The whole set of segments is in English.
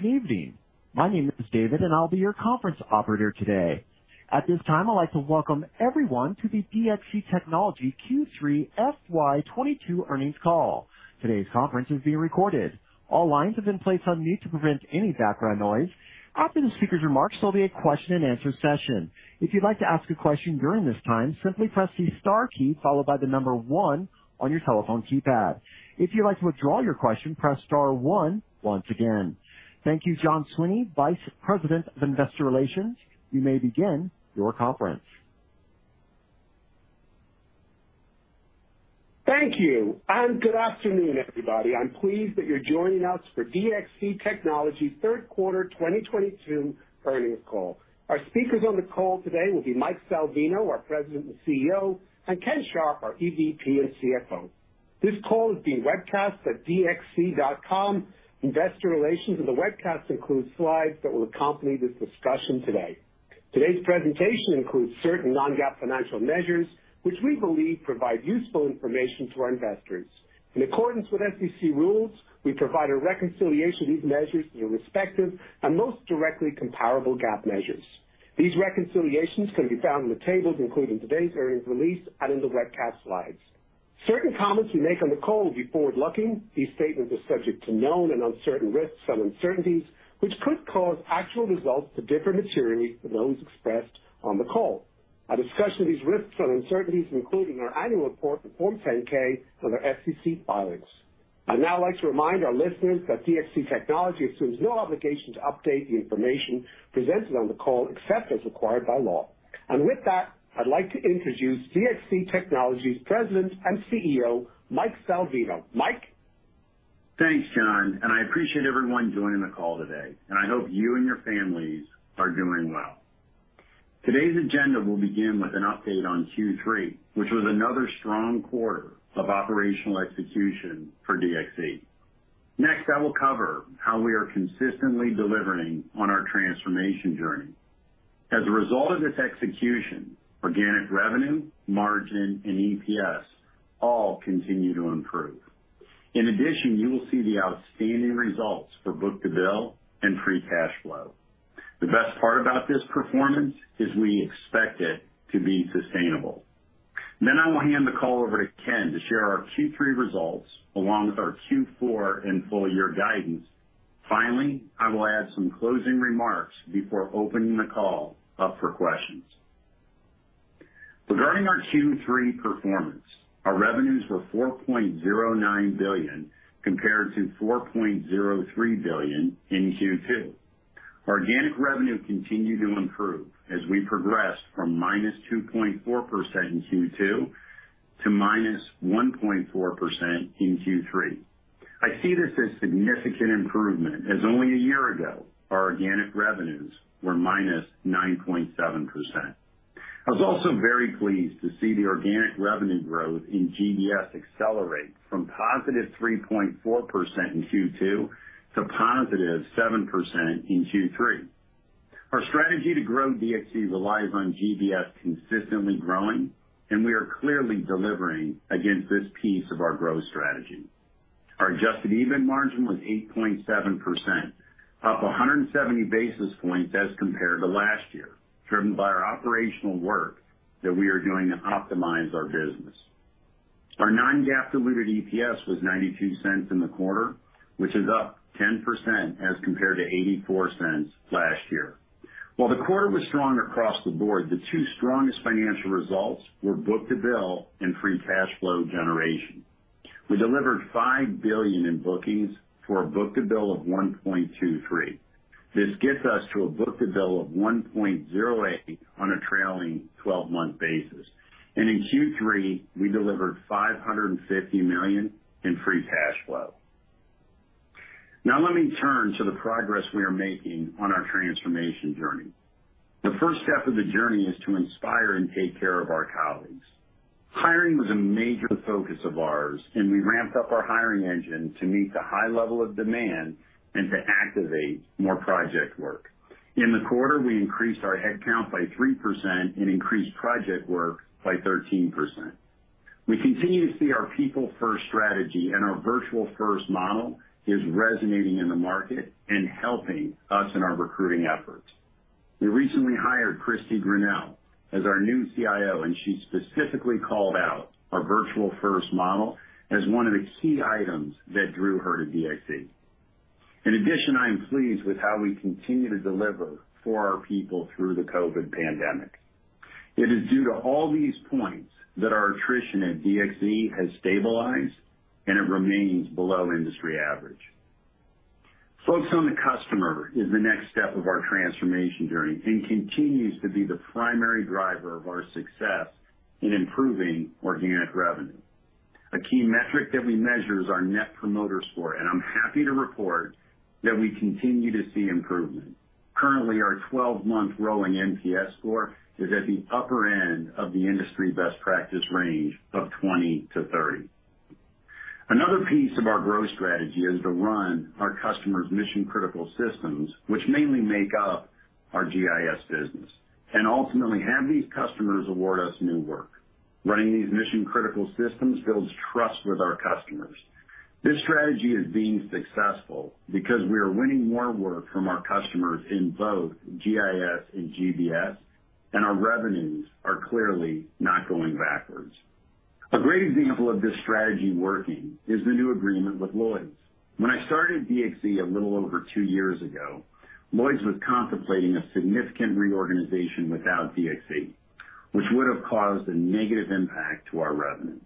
Good evening. My name is David, and I'll be your conference operator today. At this time, I'd like to welcome everyone to the DXC Technology Q3 FY 2022 Earnings Call. Today's conference is being recorded. All lines have been placed on mute to prevent any background noise. After the speaker's remarks, there'll be a question-and-answer session. If you'd like to ask a question during this time, simply press the star key followed by the number one on your telephone keypad. If you'd like to withdraw your question, press star one once again. Thank you, John Sweeney, Vice President of Investor Relations. You may begin your conference. Thank you, and good afternoon, everybody. I'm pleased that you're joining us for DXC Technology Third Quarter 2022 Earnings Call. Our speakers on the call today will be Mike Salvino, our President and CEO, and Ken Sharp, our EVP and CFO. This call is being webcast at dxc.com Investor Relations, and the webcast includes slides that will accompany this discussion today. Today's presentation includes certain non-GAAP financial measures which we believe provide useful information to our investors. In accordance with SEC rules, we provide a reconciliation of these measures to the respective and most directly comparable GAAP measures. These reconciliations can be found in the tables included in today's earnings release and in the webcast slides. Certain comments we make on the call will be forward-looking. These statements are subject to known and uncertain risks and uncertainties, which could cause actual results to differ materially from those expressed on the call. For a discussion of these risks and uncertainties, see our annual report on Form 10-K and other SEC filings. I'd now like to remind our listeners that DXC Technology assumes no obligation to update the information presented on the call, except as required by law. With that, I'd like to introduce DXC Technology's President and CEO, Mike Salvino. Mike? Thanks, John, and I appreciate everyone joining the call today. I hope you and your families are doing well. Today's agenda will begin with an update on Q3, which was another strong quarter of operational execution for DXC. Next, I will cover how we are consistently delivering on our transformation journey. As a result of this execution, organic revenue, margin, and EPS all continue to improve. In addition, you will see the outstanding results for book-to-bill and free cash flow. The best part about this performance is we expect it to be sustainable. I will hand the call over to Ken to share our Q3 results along with our Q4 and full-year guidance. Finally, I will add some closing remarks before opening the call up for questions. Regarding our Q3 performance, our revenues were $4.09 billion compared to $4.03 billion in Q2. Organic revenue continued to improve as we progressed from -2.4% in Q2 to -1.4% in Q3. I see this as significant improvement, as only a year ago, our organic revenues were -9.7%. I was also very pleased to see the organic revenue growth in GBS accelerate from +3.4% in Q2 to +7% in Q3. Our strategy to grow DXC relies on GBS consistently growing, and we are clearly delivering against this piece of our growth strategy. Our adjusted EBIT margin was 8.7%, up 170 basis points as compared to last year, driven by our operational work that we are doing to optimize our business. Our non-GAAP diluted EPS was $0.92 in the quarter, which is up 10% as compared to $0.84 last year. While the quarter was strong across the board, the two strongest financial results were book-to-bill and free cash flow generation. We delivered $5 billion in bookings for a book-to-bill of 1.23. This gets us to a book-to-bill of 1.08 on a trailing 12 month basis. In Q3, we delivered $550 million in free cash flow. Now let me turn to the progress we are making on our transformation journey. The first step of the journey is to inspire and take care of our colleagues. Hiring was a major focus of ours, and we ramped up our hiring engine to meet the high level of demand and to activate more project work. In the quarter, we increased our headcount by 3% and increased project work by 13%. We continue to see our people-first strategy and our virtual-first model is resonating in the market and helping us in our recruiting efforts. We recently hired Kristie Grinnell as our new CIO, and she specifically called out our virtual-first model as one of the key items that drew her to DXC. In addition, I am pleased with how we continue to deliver for our people through the COVID pandemic. It is due to all these points that our attrition at DXC has stabilized, and it remains below industry average. Focus on the customer is the next step of our transformation journey and continues to be the primary driver of our success in improving organic revenue. A key metric that we measure is our Net Promoter Score, and I'm happy to report that we continue to see improvement. Currently, our 12 month rolling NPS score is at the upper end of the industry best practice range of 20-30. Another piece of our growth strategy is to run our customers' mission-critical systems, which mainly make up our GIS business, and ultimately have these customers award us new work. Running these mission-critical systems builds trust with our customers. This strategy is being successful because we are winning more work from our customers in both GIS and GBS, and our revenues are clearly not going backwards. A great example of this strategy working is the new agreement with Lloyd's. When I started DXC a little over two years ago, Lloyd's was contemplating a significant reorganization without DXC, which would have caused a negative impact to our revenue.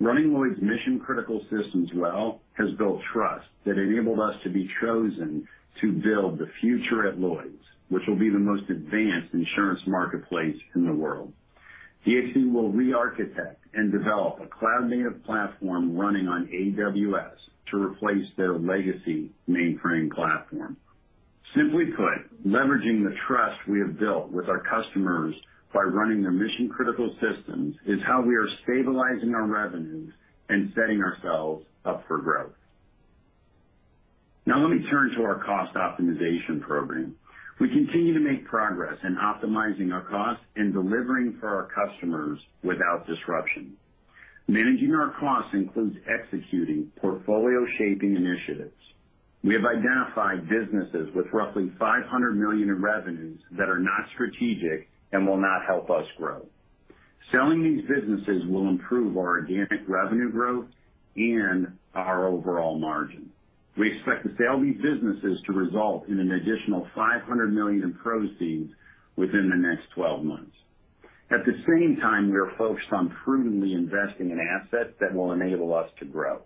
Running Lloyd's mission-critical systems well has built trust that enabled us to be chosen to build the future at Lloyd's, which will be the most advanced insurance marketplace in the world. DXC will re-architect and develop a cloud-native platform running on AWS to replace their legacy mainframe platform. Simply put, leveraging the trust we have built with our customers by running their mission-critical systems is how we are stabilizing our revenues and setting ourselves up for growth. Now let me turn to our cost optimization program. We continue to make progress in optimizing our costs and delivering for our customers without disruption. Managing our costs includes executing portfolio-shaping initiatives. We have identified businesses with roughly $500 million in revenues that are not strategic and will not help us grow. Selling these businesses will improve our organic revenue growth and our overall margin. We expect the sale of these businesses to result in an additional $500 million in proceeds within the next 12 months. At the same time, we are focused on prudently investing in assets that will enable us to grow.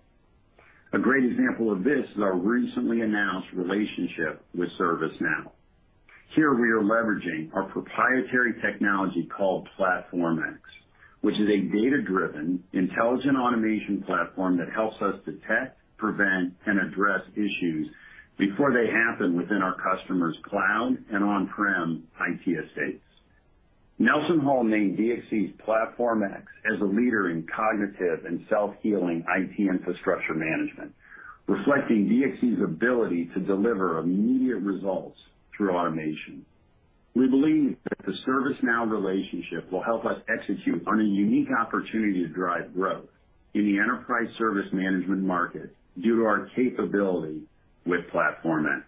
A great example of this is our recently announced relationship with ServiceNow. Here we are leveraging our proprietary technology called Platform X, which is a data-driven intelligent automation platform that helps us detect, prevent, and address issues before they happen within our customers cloud and on-prem IT estates. NelsonHall named DXC's Platform X as a leader in cognitive and self-healing IT infrastructure management, reflecting DXC's ability to deliver immediate results through automation. We believe that the ServiceNow relationship will help us execute on a unique opportunity to drive growth in the enterprise service management market due to our capability with Platform X.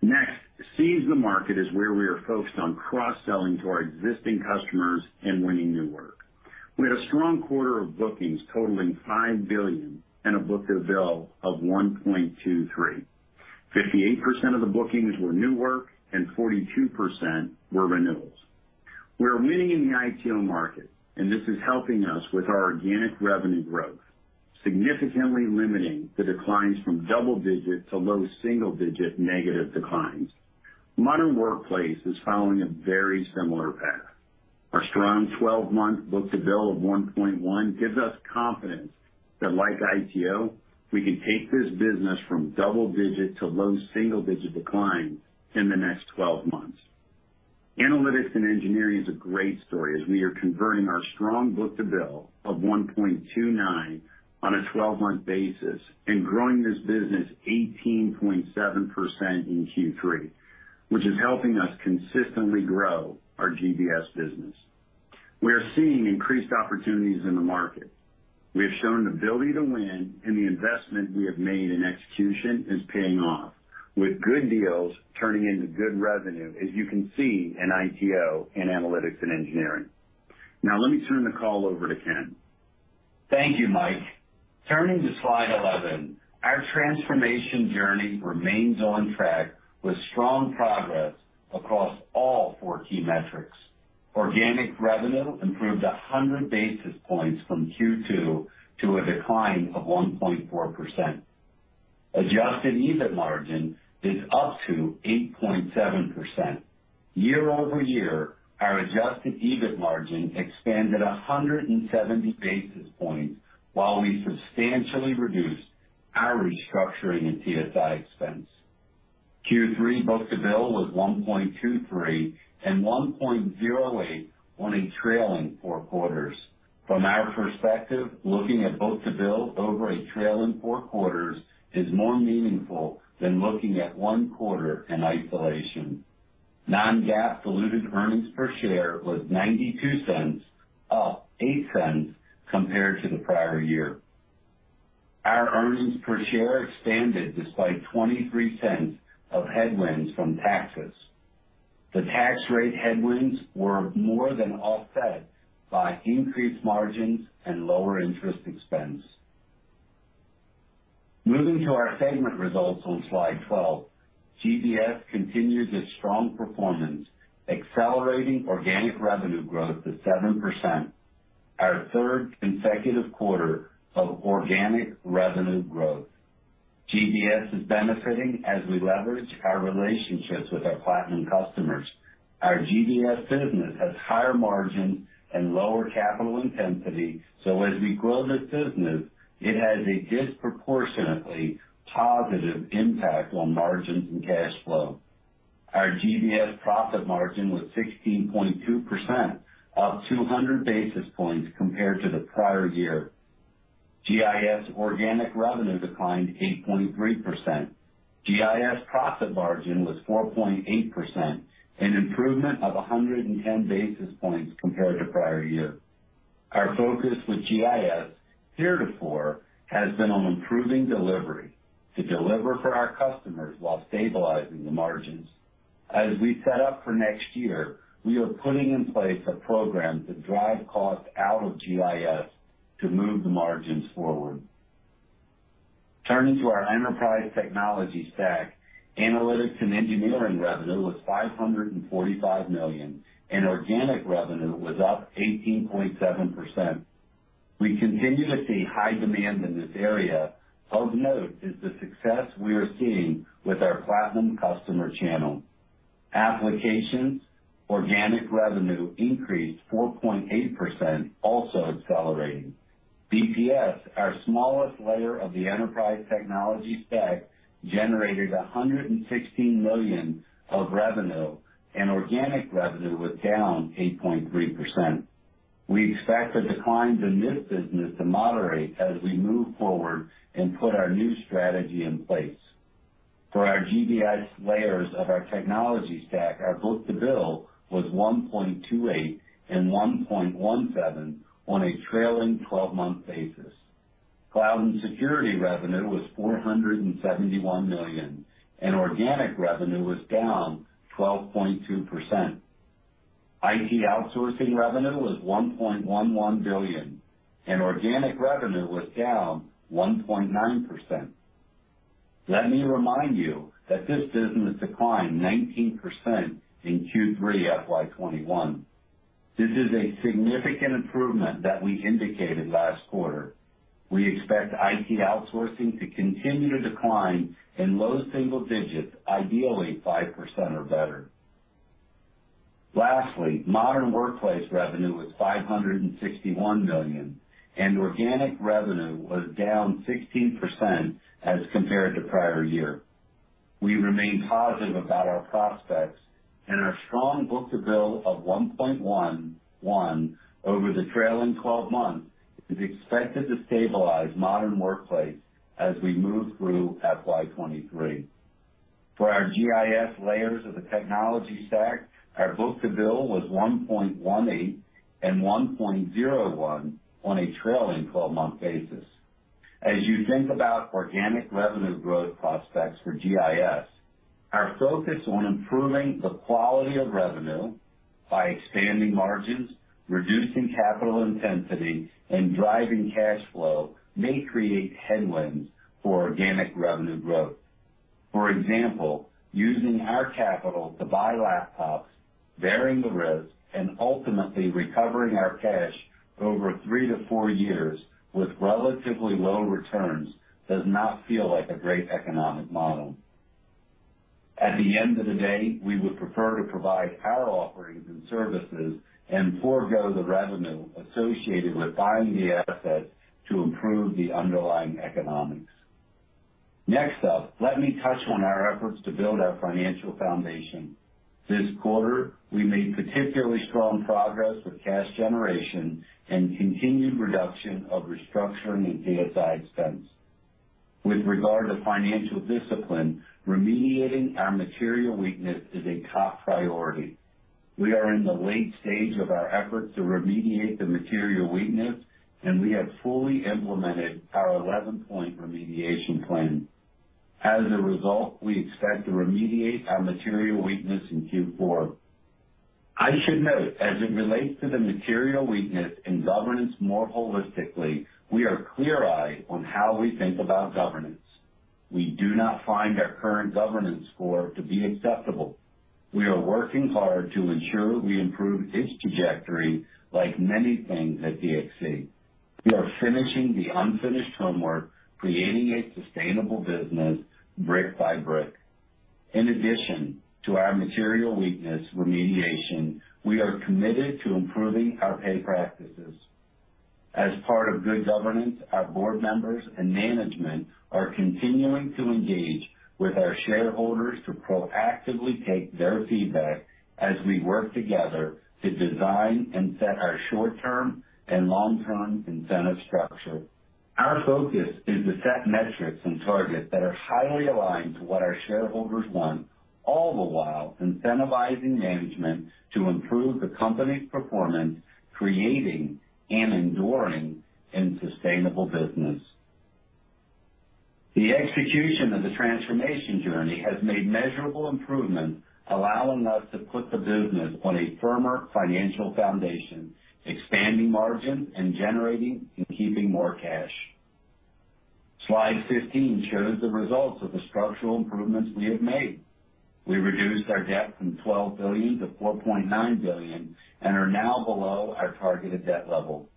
Next, seize the market is where we are focused on cross-selling to our existing customers and winning new work. We had a strong quarter of bookings totaling $5 billion and a book-to-bill of 1.23. 58% of the bookings were new work and 42% were renewals. We are winning in the ITO market and this is helping us with our organic revenue growth, significantly limiting the declines from double-digit to low single-digit negative declines. Modern Workplace is following a very similar path. Our strong 12-month book-to-bill of 1.1 gives us confidence that like ITO, we can take this business from double-digit to low single-digit decline in the next 12 months. Analytics and engineering is a great story as we are converting our strong book-to-bill of 1.29 on a 12-month basis and growing this business 18.7% in Q3, which is helping us consistently grow our GBS business. We are seeing increased opportunities in the market. We have shown the ability to win, and the investment we have made in execution is paying off, with good deals turning into good revenue, as you can see in ITO and analytics and engineering. Now let me turn the call over to Ken. Thank you, Mike. Turning to slide 11, our transformation journey remains on track with strong progress across all four key metrics. Organic revenue improved 100 basis points from Q2 to a decline of 1.4%. Adjusted EBIT margin is up to 8.7%. Year-over-year, our adjusted EBIT margin expanded 170 basis points while we substantially reduced our restructuring and TSI expense. Q3 book-to-bill was 1.23 and 1.08 on a trailing four quarters. From our perspective, looking at book-to-bill over a trailing four quarters is more meaningful than looking at one quarter in isolation. Non-GAAP diluted earnings per share was $0.92, up $0.08 compared to the prior year. Our earnings per share expanded despite $0.23 of headwinds from taxes. The tax rate headwinds were more than offset by increased margins and lower interest expense. Moving to our segment results on slide 12. GBS continued its strong performance, accelerating organic revenue growth to 7%, our third consecutive quarter of organic revenue growth. GBS is benefiting as we leverage our relationships with our platinum customers. Our GBS business has higher margins and lower capital intensity. As we grow this business, it has a disproportionately positive impact on margins and cash flow. Our GBS profit margin was 16.2%, up 200 basis points compared to the prior year. GIS organic revenue declined 8.3%. GIS profit margin was 4.8%, an improvement of 110 basis points compared to prior year. Our focus with GIS in FY 2024 has been on improving delivery to deliver for our customers while stabilizing the margins. As we set up for next year, we are putting in place a program to drive costs out of GIS to move the margins forward. Turning to our enterprise technology stack, analytics and engineering revenue was $545 million, and organic revenue was up 18.7%. We continue to see high demand in this area. Of note is the success we are seeing with our platinum customer channel. Applications, organic revenue increased 4.8%, also accelerating. BPS, our smallest layer of the enterprise technology stack, generated $116 million of revenue, and organic revenue was down 8.3%. We expect the declines in this business to moderate as we move forward and put our new strategy in place. For our GBS layers of our technology stack, our book-to-bill was 1.28 and 1.17 on a trailing 12-month basis. Cloud and security revenue was $471 million, and organic revenue was down 12.2%. IT outsourcing revenue was $1.11 billion, and organic revenue was down 1.9%. Let me remind you that this business declined 19% in Q3 FY 2021. This is a significant improvement that we indicated last quarter. We expect IT outsourcing to continue to decline in low single digits, ideally 5% or better. Lastly, Modern Workplace revenue was $561 million, and organic revenue was down 16% as compared to prior year. We remain positive about our prospects and our strong book-to-bill of 1.11 over the trailing 12 months is expected to stabilize Modern Workplace as we move through FY 2023. For our GIS layers of the technology stack, our book-to-bill was 1.18 and 1.01 on a trailing 12-month basis. As you think about organic revenue growth prospects for GIS, our focus on improving the quality of revenue by expanding margins, reducing capital intensity, and driving cash flow may create headwinds for organic revenue growth. For example, using our capital to buy laptops, bearing the risk, and ultimately recovering our cash over three to four years with relatively low returns does not feel like a great economic model. At the end of the day, we would prefer to provide our offerings and services and forego the revenue associated with buying the asset to improve the underlying economics. Next up, let me touch on our efforts to build our financial foundation. This quarter, we made particularly strong progress with cash generation and continued reduction of restructuring and TSI expense. With regard to financial discipline, remediating our material weakness is a top priority. We are in the late stage of our efforts to remediate the material weakness, and we have fully implemented our 11-point remediation plan. As a result, we expect to remediate our material weakness in Q4. I should note, as it relates to the material weakness and governance more holistically, we are clear-eyed on how we think about governance. We do not find our current governance score to be acceptable. We are working hard to ensure we improve its trajectory, like many things at DXC. We are finishing the unfinished homework, creating a sustainable business brick by brick. In addition to our material weakness remediation, we are committed to improving our pay practices. As part of good governance, our board members and management are continuing to engage with our shareholders to proactively take their feedback as we work together to design and set our short-term and long-term incentive structure. Our focus is to set metrics and targets that are highly aligned to what our shareholders want, all the while incentivizing management to improve the company's performance, creating an enduring and sustainable business. The execution of the transformation journey has made measurable improvements, allowing us to put the business on a firmer financial foundation, expanding margins, and generating and keeping more cash. Slide 15 shows the results of the structural improvements we have made. We reduced our debt from $12 billion to $4.9 billion and are now below our targeted debt level.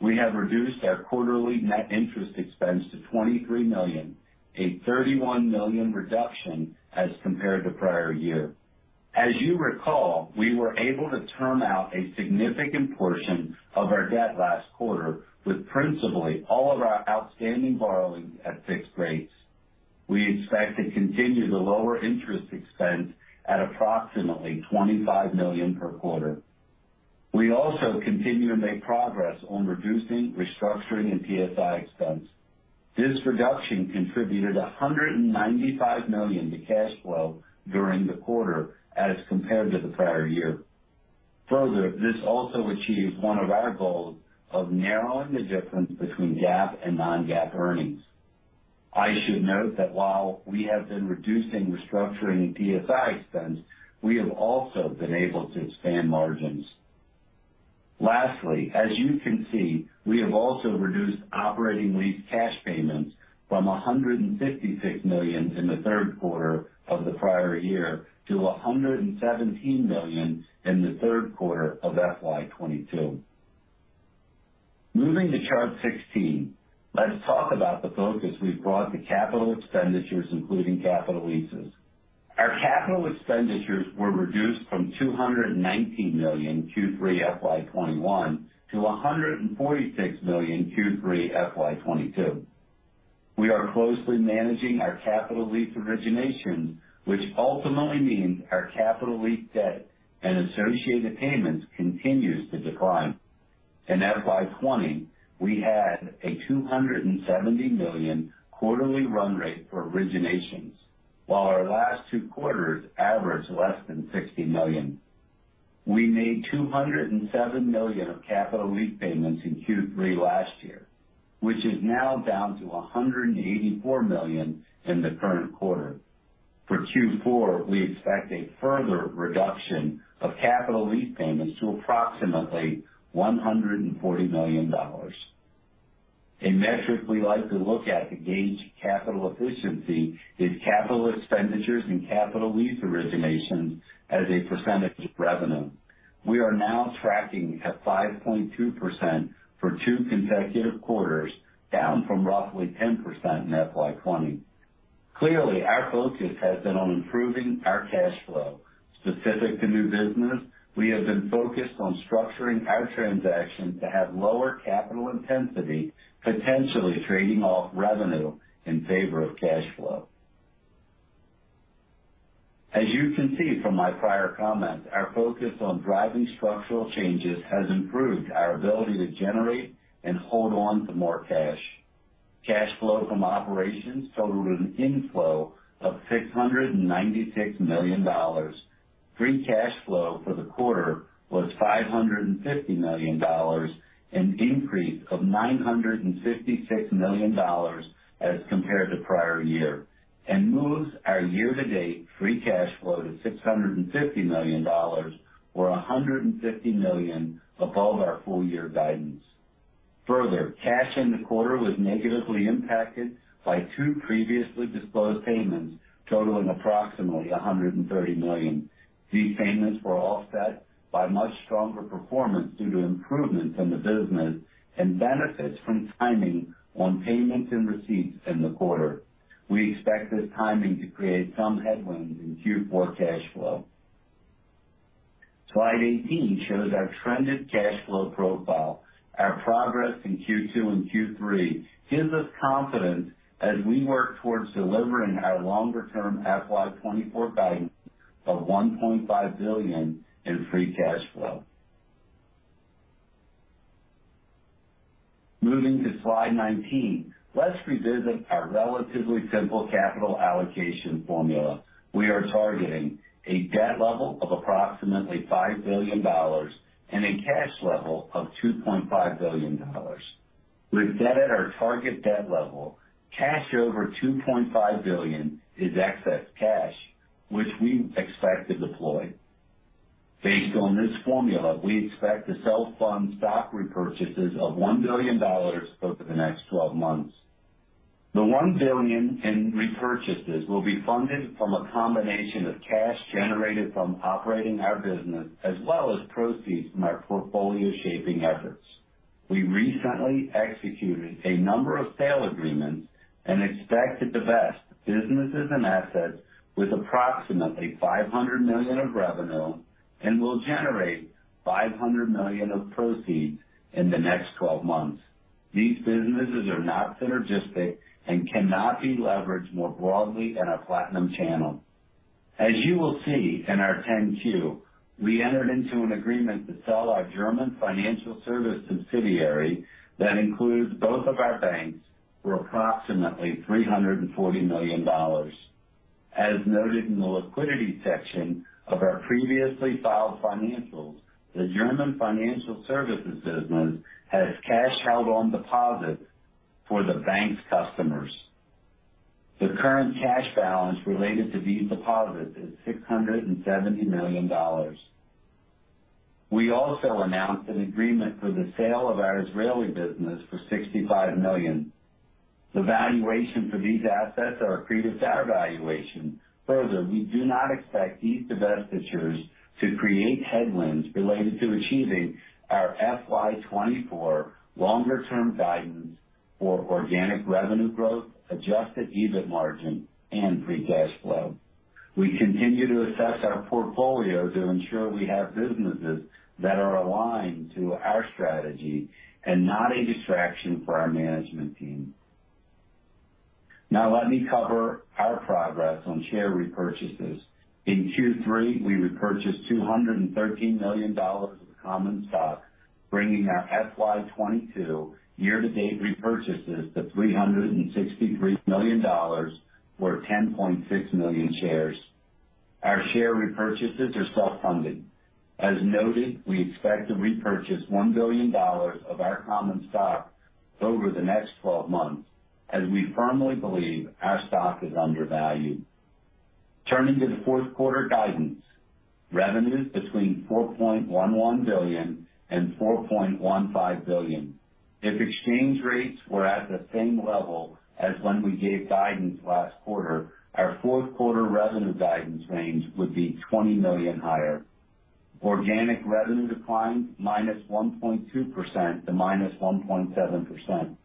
We have reduced our quarterly net interest expense to $23 million, a $31 million reduction as compared to prior year. As you recall, we were able to term out a significant portion of our debt last quarter, with principally all of our outstanding borrowings at fixed rates. We expect to continue the lower interest expense at approximately $25 million per quarter. We also continue to make progress on reducing restructuring and TSI expense. This reduction contributed $195 million to cash flow during the quarter as compared to the prior year. Further, this also achieves one of our goals of narrowing the difference between GAAP and non-GAAP earnings. I should note that while we have been reducing restructuring and TSI expense, we have also been able to expand margins. Lastly, as you can see, we have also reduced operating lease cash payments from $156 million in the third quarter of the prior year to $117 million in the third quarter of FY 2022. Moving to chart 16, let's talk about the focus we've brought to capital expenditures, including capital leases. Our capital expenditures were reduced from $219 million Q3 FY 2021 to $146 million Q3 FY 2022. We are closely managing our capital lease origination, which ultimately means our capital lease debt and associated payments continues to decline. In FY 2020, we had a $270 million quarterly run rate for originations, while our last two quarters averaged less than $60 million. We made $207 million of capital lease payments in Q3 last year, which is now down to $184 million in the current quarter. For Q4, we expect a further reduction of capital lease payments to approximately $140 million. A metric we like to look at to gauge capital efficiency is capital expenditures and capital lease originations as a percentage of revenue. We are now tracking at 5.2% for two consecutive quarters, down from roughly 10% in FY 2020. Clearly, our focus has been on improving our cash flow. Specific to new business, we have been focused on structuring our transactions to have lower capital intensity, potentially trading off revenue in favor of cash flow. As you can see from my prior comments, our focus on driving structural changes has improved our ability to generate and hold on to more cash. Cash flow from operations totaled an inflow of $696 million. Free cash flow for the quarter was $550 million, an increase of $956 million as compared to prior year, and moves our year-to-date free cash flow to $650 million, or $150 million above our full-year guidance. Further, cash in the quarter was negatively impacted by two previously disclosed payments totaling approximately $130 million. These payments were offset by much stronger performance due to improvements in the business and benefits from timing on payments and receipts in the quarter. We expect this timing to create some headwind in Q4 cash flow. Slide 18 shows our trended cash flow profile. Our progress in Q2 and Q3 gives us confidence as we work towards delivering our longer-term FY 2024 guidance of $1.5 billion in free cash flow. Moving to slide 19, let's revisit our relatively simple capital allocation formula. We are targeting a debt level of approximately $5 billion and a cash level of $2.5 billion. With debt at our target debt level, cash over $2.5 billion is excess cash, which we expect to deploy. Based on this formula, we expect to self-fund stock repurchases of $1 billion over the next 12 months. The $1 billion in repurchases will be funded from a combination of cash generated from operating our business as well as proceeds from our portfolio shaping efforts. We recently executed a number of sale agreements and expect to divest businesses and assets with approximately $500 million of revenue and will generate $500 million of proceeds in the next 12 months. These businesses are not synergistic and cannot be leveraged more broadly in our Platinum Channel. As you will see in our 10-Q, we entered into an agreement to sell our German financial services subsidiary that includes both of our banks for approximately $340 million. As noted in the liquidity section of our previously filed financials, the German financial services business has cash held on deposit for the bank's customers. The current cash balance related to these deposits is $670 million. We also announced an agreement for the sale of our Israeli business for $65 million. The valuations for these assets are accretive to our valuation. Further, we do not expect these divestitures to create headwinds related to achieving our FY 2024 longer-term guidance for organic revenue growth, adjusted EBIT margin, and free cash flow. We continue to assess our portfolio to ensure we have businesses that are aligned to our strategy and not a distraction for our management team. Now let me cover our progress on share repurchases. In Q3, we repurchased $213 million of common stock, bringing our FY 2022 year-to-date repurchases to $363 million, or 10.6 million shares. Our share repurchases are self-funded. As noted, we expect to repurchase $1 billion of our common stock over the next 12 months, as we firmly believe our stock is undervalued. Turning to the fourth quarter guidance. Revenues between $4.11 billion-$4.15 billion. If exchange rates were at the same level as when we gave guidance last quarter, our fourth quarter revenue guidance range would be $20 million higher. Organic revenue decline -1.2% to -1.7%.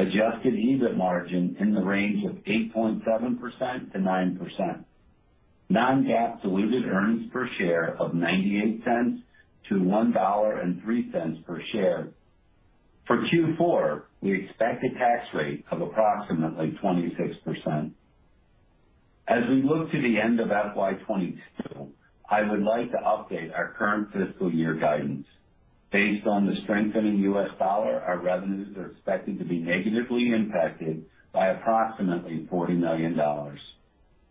Adjusted EBIT margin in the range of 8.7%-9%. Non-GAAP diluted earnings per share of $0.98-$1.03 per share. For Q4, we expect a tax rate of approximately 26%. As we look to the end of FY 2022, I would like to update our current fiscal year guidance. Based on the strengthening U.S. dollar, our revenues are expected to be negatively impacted by approximately $40 million.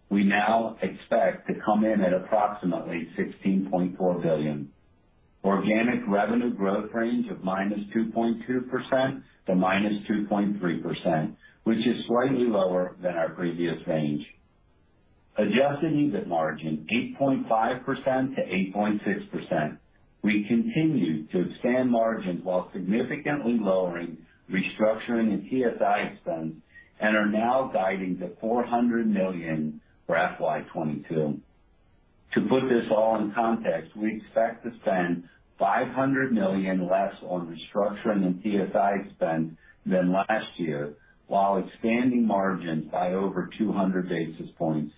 We now expect to come in at approximately $16.4 billion. Organic revenue growth range of -2.2% to -2.3%, which is slightly lower than our previous range. Adjusted EBIT margin 8.5%-8.6%. We continue to expand margins while significantly lowering restructuring and TSI expense and are now guiding to $400 million for FY 2022. To put this all in context, we expect to spend $500 million less on restructuring and TSI spend than last year while expanding margins by over 200 basis points.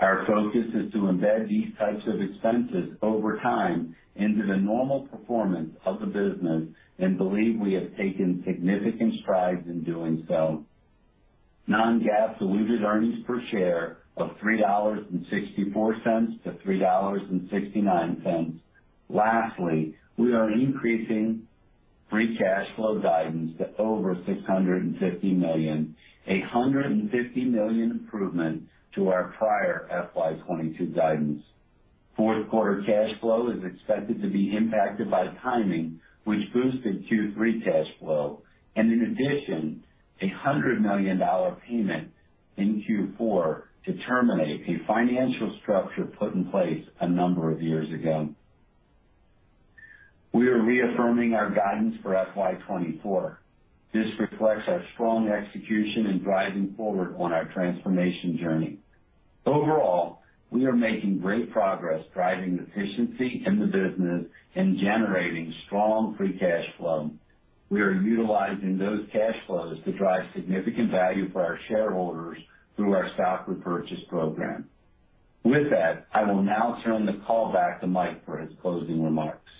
Our focus is to embed these types of expenses over time into the normal performance of the business and believe we have taken significant strides in doing so. Non-GAAP diluted earnings per share of $3.64-$3.69. Lastly, we are increasing free cash flow guidance to over $650 million, $150 million improvement to our prior FY 2022 guidance. Fourth quarter cash flow is expected to be impacted by timing, which boosted Q3 cash flow. In addition, $100 million payment in Q4 to terminate a financial structure put in place a number of years ago. We are reaffirming our guidance for FY 2024. This reflects our strong execution in driving forward on our transformation journey. Overall, we are making great progress driving efficiency in the business and generating strong free cash flow. We are utilizing those cash flows to drive significant value for our shareholders through our stock repurchase program. With that, I will now turn the call back to Mike for his closing remarks.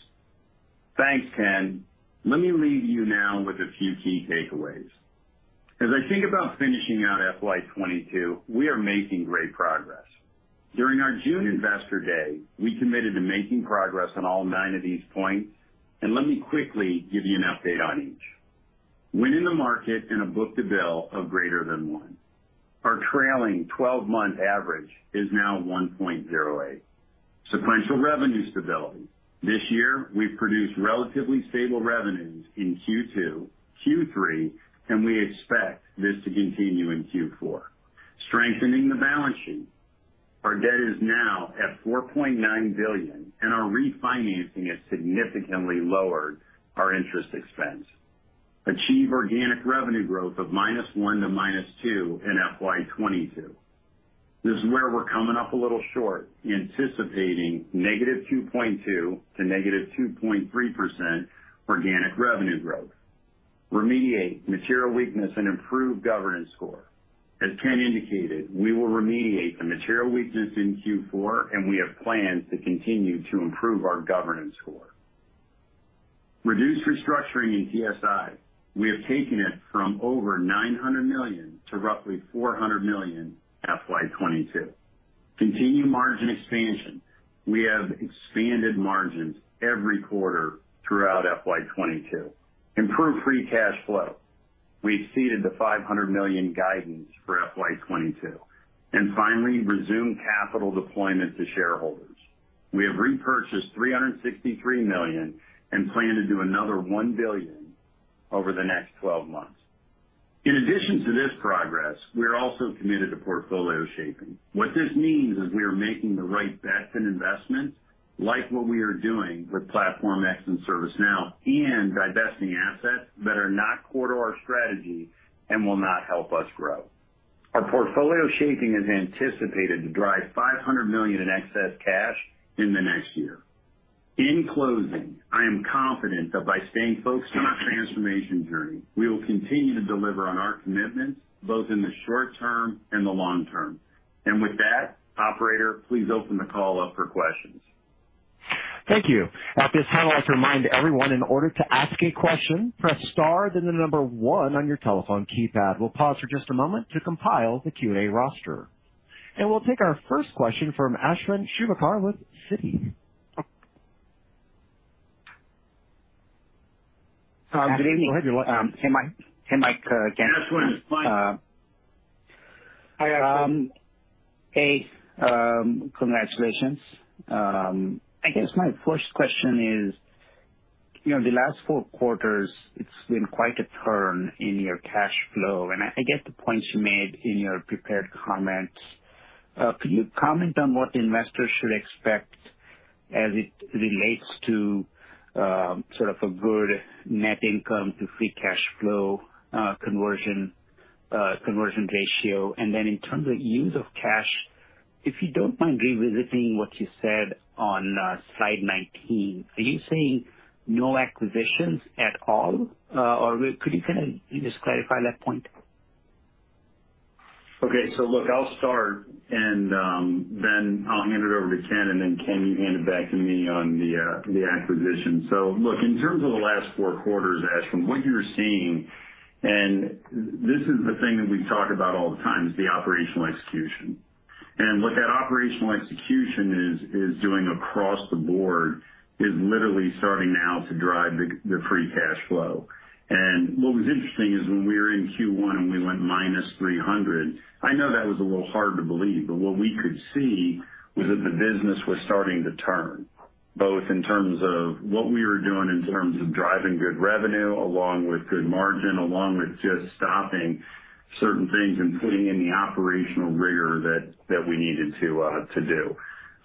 Thanks, Ken. Let me leave you now with a few key takeaways. As I think about finishing out FY 2022, we are making great progress. During our June Investor Day, we committed to making progress on all nine of these points, and let me quickly give you an update on each. Win in the market and a book-to-bill of greater than one. Our trailing 12-month average is now 1.08. Sequential revenue stability. This year, we've produced relatively stable revenues in Q2, Q3, and we expect this to continue in Q4. Strengthening the balance sheet. Our debt is now at $4.9 billion and our refinancing has significantly lowered our interest expense. Achieve organic revenue growth of -1% to -2% in FY 2022. This is where we're coming up a little short, anticipating -2.2% to -2.3% organic revenue growth. Remediate material weakness and improve governance score. As Ken indicated, we will remediate the material weakness in Q4, and we have plans to continue to improve our governance score. Reduce restructuring in TSI. We have taken it from over $900 million to roughly $400 million FY 2022. Continue margin expansion. We have expanded margins every quarter throughout FY 2022. Improve free cash flow. We exceeded the $500 million guidance for FY 2022. Finally, resume capital deployment to shareholders. We have repurchased $363 million and plan to do another $1 billion over the next 12 months. In addition to this progress, we are also committed to portfolio shaping. What this means is we are making the right bets and investments like what we are doing with Platform X and ServiceNow and divesting assets that are not core to our strategy and will not help us grow. Our portfolio shaping is anticipated to drive $500 million in excess cash in the next year. In closing, I am confident that by staying focused on our transformation journey, we will continue to deliver on our commitments both in the short term and the long term. With that, operator, please open the call up for questions. Thank you. At this time, I'd like to remind everyone in order to ask a question, press star then the number one on your telephone keypad. We'll pause for just a moment to compile the QA roster. We'll take our first question from Ashwin Shirvaikar with Citi. Good evening. Go ahead. You're live. Hey, Mike. Hey, Mike, Ken. Yeah, Ashwin, it's Mike. Hey, congratulations. I guess my first question is, you know, the last four quarters, it's been quite a turn in your cash flow, and I get the points you made in your prepared comments. Could you comment on what investors should expect as it relates to sort of a good net income to free cash flow conversion ratio? And then in terms of use of cash, if you don't mind revisiting what you said on slide 19, are you saying no acquisitions at all? Or could you kinda just clarify that point? Okay. Look, I'll start and then I'll hand it over to Ken, and then Ken, you hand it back to me on the acquisition. Look, in terms of the last four quarters, Ashwin, what you're seeing, and this is the thing that we talk about all the time, is the operational execution. What that operational execution is doing across the board is literally starting now to drive the free cash flow. What was interesting is when we were in Q1 and we went -300, I know that was a little hard to believe, but what we could see was that the business was starting to turn, both in terms of what we were doing in terms of driving good revenue along with good margin, along with just stopping certain things and putting in the operational rigor that we needed to do.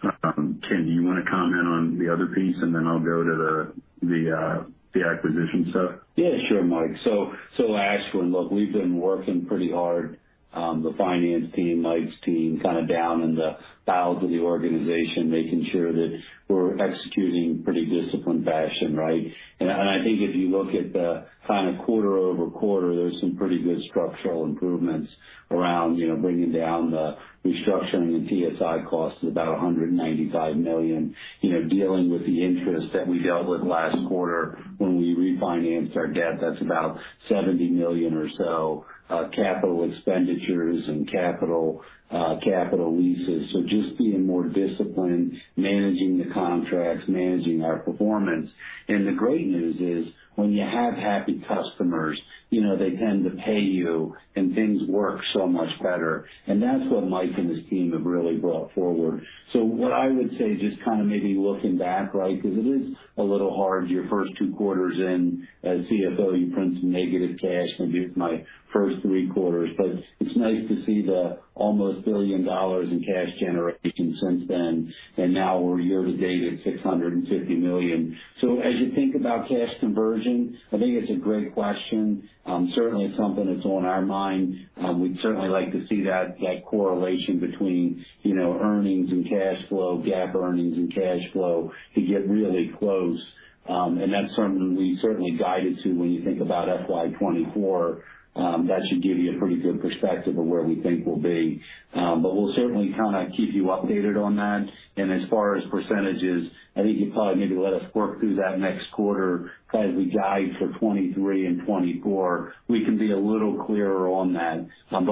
Ken, do you wanna comment on the other piece, and then I'll go to the acquisition stuff? Yeah, sure, Mike. So Ashwin, look, we've been working pretty hard, the finance team, Mike's team, kinda down in the bowels of the organization, making sure that we're executing pretty disciplined fashion, right? I think if you look at the kind of quarter-over-quarter, there's some pretty good structural improvements around, you know, bringing down the restructuring and TSI costs to about $195 million. You know, dealing with the interest that we dealt with last quarter when we refinanced our debt, that's about $70 million or so, capital expenditures and capital leases. Just being more disciplined, managing the contracts, managing our performance. The great news is when you have happy customers, you know, they tend to pay you, and things work so much better. That's what Mike and his team have really brought forward. What I would say, just kinda maybe looking back, right, 'cause it is a little hard your first two quarters in as CFO, you print some negative cash. It was my first three quarters. But it's nice to see the almost $1 billion in cash generation since then. And now we're year to date at $650 million. As you think about cash conversion, I think it's a great question. Certainly something that's on our mind. We'd certainly like to see that correlation between, you know, earnings and cash flow, GAAP earnings and cash flow to get really close. And that's something we certainly guided to when you think about FY 2024. That should give you a pretty good perspective of where we think we'll be. But we'll certainly kinda keep you updated on that. As far as percentages, I think you probably maybe let us work through that next quarter. As we guide for 2023 and 2024, we can be a little clearer on that.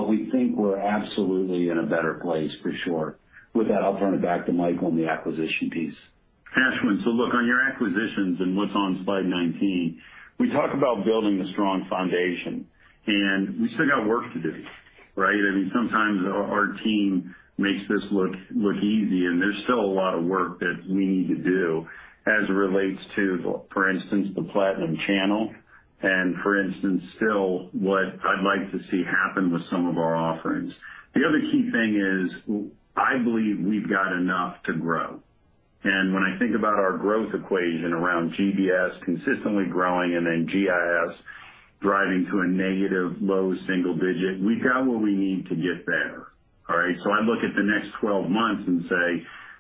We think we're absolutely in a better place for sure. With that, I'll turn it back to Mike on the acquisition piece. Ashwin, look, on your acquisitions and what's on slide 19, we talk about building a strong foundation, and we still got work to do, right? I mean, sometimes our team makes this look easy, and there's still a lot of work that we need to do as it relates to, for instance, the platinum channel and for instance still what I'd like to see happen with some of our offerings. The other key thing is I believe we've got enough to grow. When I think about our growth equation around GBS consistently growing and then GIS driving to a negative low single digit, we've got what we need to get better. All right? I look at the next 12 months and say,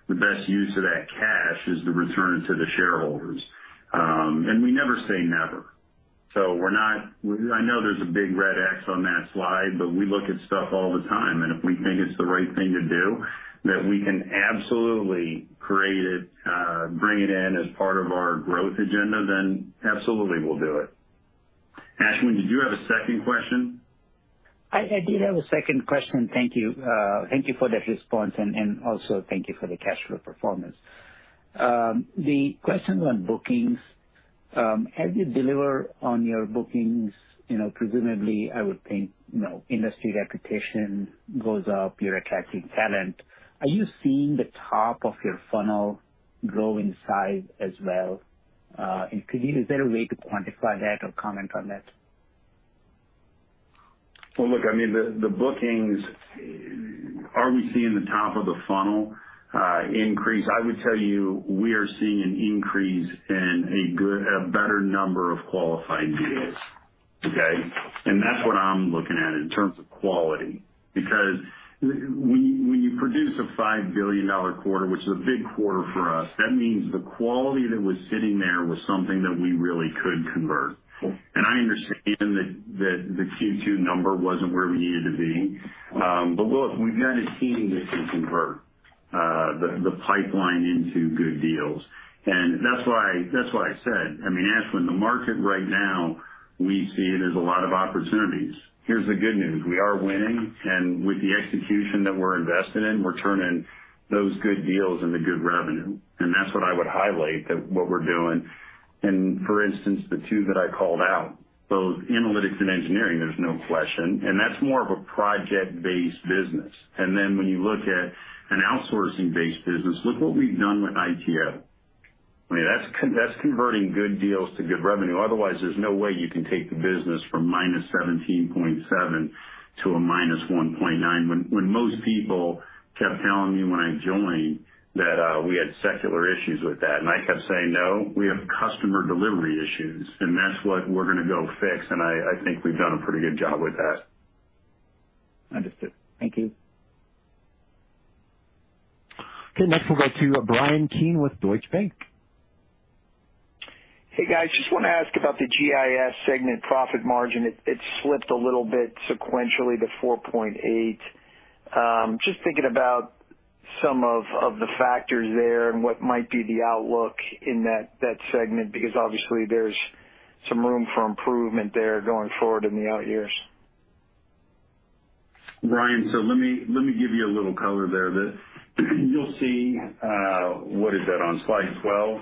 the best use of that cash is to return it to the shareholders. We never say never. We're not I know there's a big red X on that slide, but we look at stuff all the time, and if we think it's the right thing to do, that we can absolutely create it, bring it in as part of our growth agenda, then absolutely we'll do it. Ashwin, did you have a second question? I did have a second question. Thank you. Thank you for that response and also thank you for the cash flow performance. The question on bookings, as you deliver on your bookings, you know, presumably, I would think, you know, industry reputation goes up, you're attracting talent. Are you seeing the top of your funnel grow in size as well? And is there a way to quantify that or comment on that? Well, look, I mean, the bookings, are we seeing the top of the funnel increase? I would tell you we are seeing an increase in a better number of qualified deals, okay? That's what I'm looking at in terms of quality. Because when you produce a $5 billion quarter, which is a big quarter for us, that means the quality that was sitting there was something that we really could convert. I understand that the Q2 number wasn't where we needed to be. But look, we've kind of converted the pipeline into good deals. That's why I said, I mean, Ashwin, the market right now, we see it as a lot of opportunities. Here's the good news. We are winning, and with the execution that we're investing in, we're turning those good deals into good revenue. That's what I would highlight that what we're doing. For instance, the two that I called out, both analytics and engineering, there's no question, and that's more of a project-based business. When you look at an outsourcing-based business, look what we've done with ITO. I mean, that's converting good deals to good revenue. Otherwise, there's no way you can take the business from -17.7% to a -1.9%. When most people kept telling me when I joined that we had secular issues with that, and I kept saying, "No, we have customer delivery issues, and that's what we're gonna go fix." I think we've done a pretty good job with that. Understood. Thank you. Okay, next we'll go to Bryan Keane with Deutsche Bank. Hey, guys. Just wanna ask about the GIS segment profit margin. It slipped a little bit sequentially to 4.8%. Just thinking about some of the factors there and what might be the outlook in that segment, because obviously there's some room for improvement there going forward in the out years. Bryan, let me give you a little color there. You'll see on slide 12?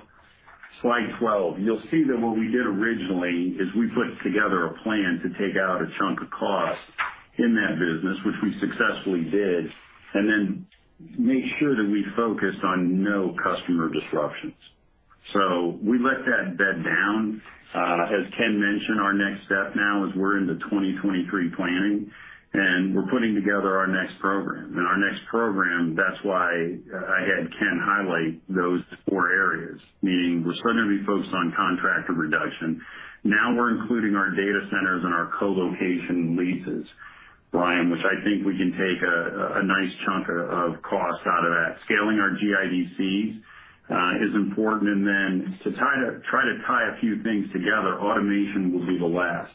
Slide 12, you'll see that what we did originally is we put together a plan to take out a chunk of cost in that business, which we successfully did, and then make sure that we focused on no customer disruptions. We let that bed down. As Ken mentioned, our next step now is we're in the 2023 planning, and we're putting together our next program. Our next program, that's why I had Ken highlight those four areas, meaning we're certainly gonna be focused on contractor reduction. Now we're including our data centers and our co-location leases, Bryan, which I think we can take a nice chunk of cost out of that. Scaling our GIDC is important. To try to tie a few things together, automation will be the last.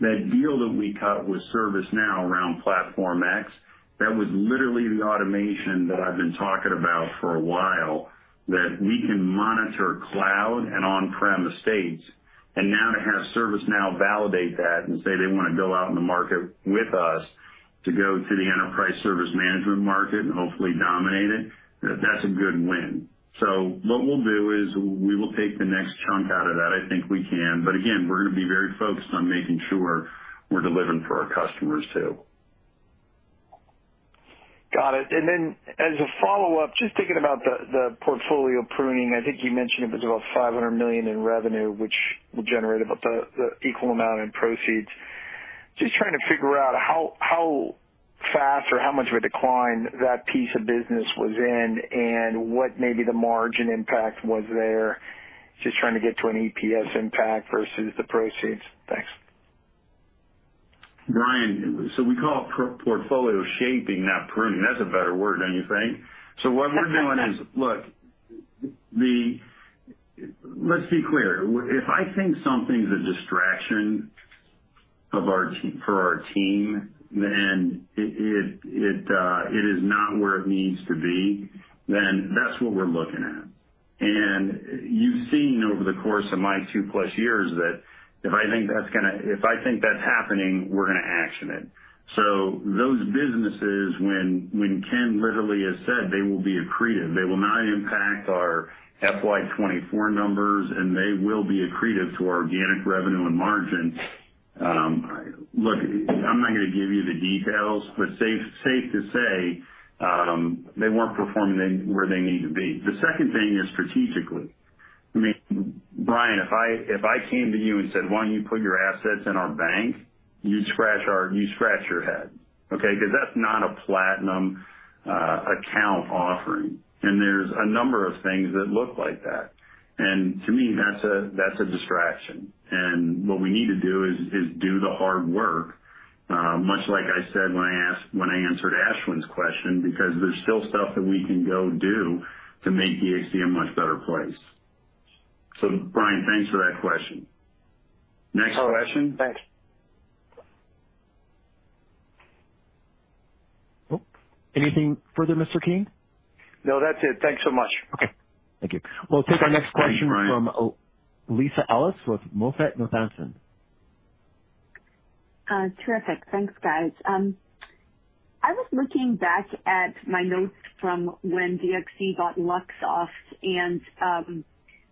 That deal that we cut with ServiceNow around Platform X, that was literally the automation that I've been talking about for a while, that we can monitor cloud and on-prem estates. Now to have ServiceNow validate that and say they wanna go out in the market with us to go to the enterprise service management market and hopefully dominate it, that's a good win. What we'll do is we will take the next chunk out of that. I think we can. Again, we're gonna be very focused on making sure we're delivering for our customers, too. Got it. As a follow-up, just thinking about the portfolio pruning, I think you mentioned it was about $500 million in revenue, which will generate about the equal amount in proceeds. Just trying to figure out how fast or how much of a decline that piece of business was in and what maybe the margin impact was there. Just trying to get to an EPS impact versus the proceeds. Thanks. Bryan, we call it portfolio shaping, not pruning. That's a better word, don't you think? What we're doing is. Look, Let's be clear. If I think something's a distraction for our team, then it is not where it needs to be, then that's what we're looking at. You've seen over the course of my two-plus years that if I think that's happening, we're gonna action it. Those businesses, when Ken literally has said they will be accretive, they will not impact our FY 2024 numbers, and they will be accretive to our organic revenue and margin. Look, I'm not gonna give you the details, but safe to say, they weren't performing where they need to be. The second thing is strategically. I mean, Bryan, if I came to you and said, "Why don't you put your assets in our bank?" You'd scratch your head, okay? 'Cause that's not a platinum account offering. There's a number of things that look like that. To me, that's a distraction. What we need to do is do the hard work, much like I said when I answered Ashwin's question, because there's still stuff that we can go do to make DXC a much better place. Bryan, thanks for that question. Next question. Thanks. Oh, anything further, Mr. Keane? No, that's it. Thanks so much. Okay. Thank you. Thanks. Thank you, Bryan. We'll take our next question from Lisa Ellis with MoffettNathanson. Terrific. Thanks, guys. I was looking back at my notes from when DXC bought Luxoft, and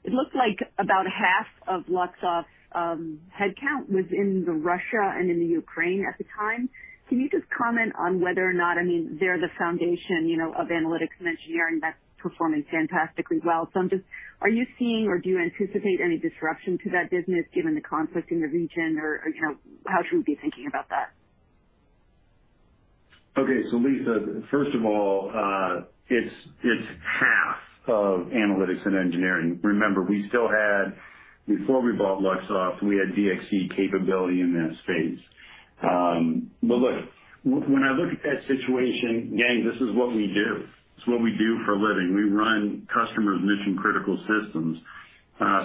it looked like about half of Luxoft headcount was in Russia and in Ukraine at the time. Can you just comment on whether or not, I mean, they're the foundation, you know, of analytics and engineering that's performing fantastically well. Are you seeing or do you anticipate any disruption to that business given the conflict in the region or, you know, how should we be thinking about that? Lisa, first of all, it's half of analytics and engineering. Remember, before we bought Luxoft, we had DXC capability in that space. Look, when I look at that situation, again, this is what we do. It's what we do for a living. We run customers' mission-critical systems.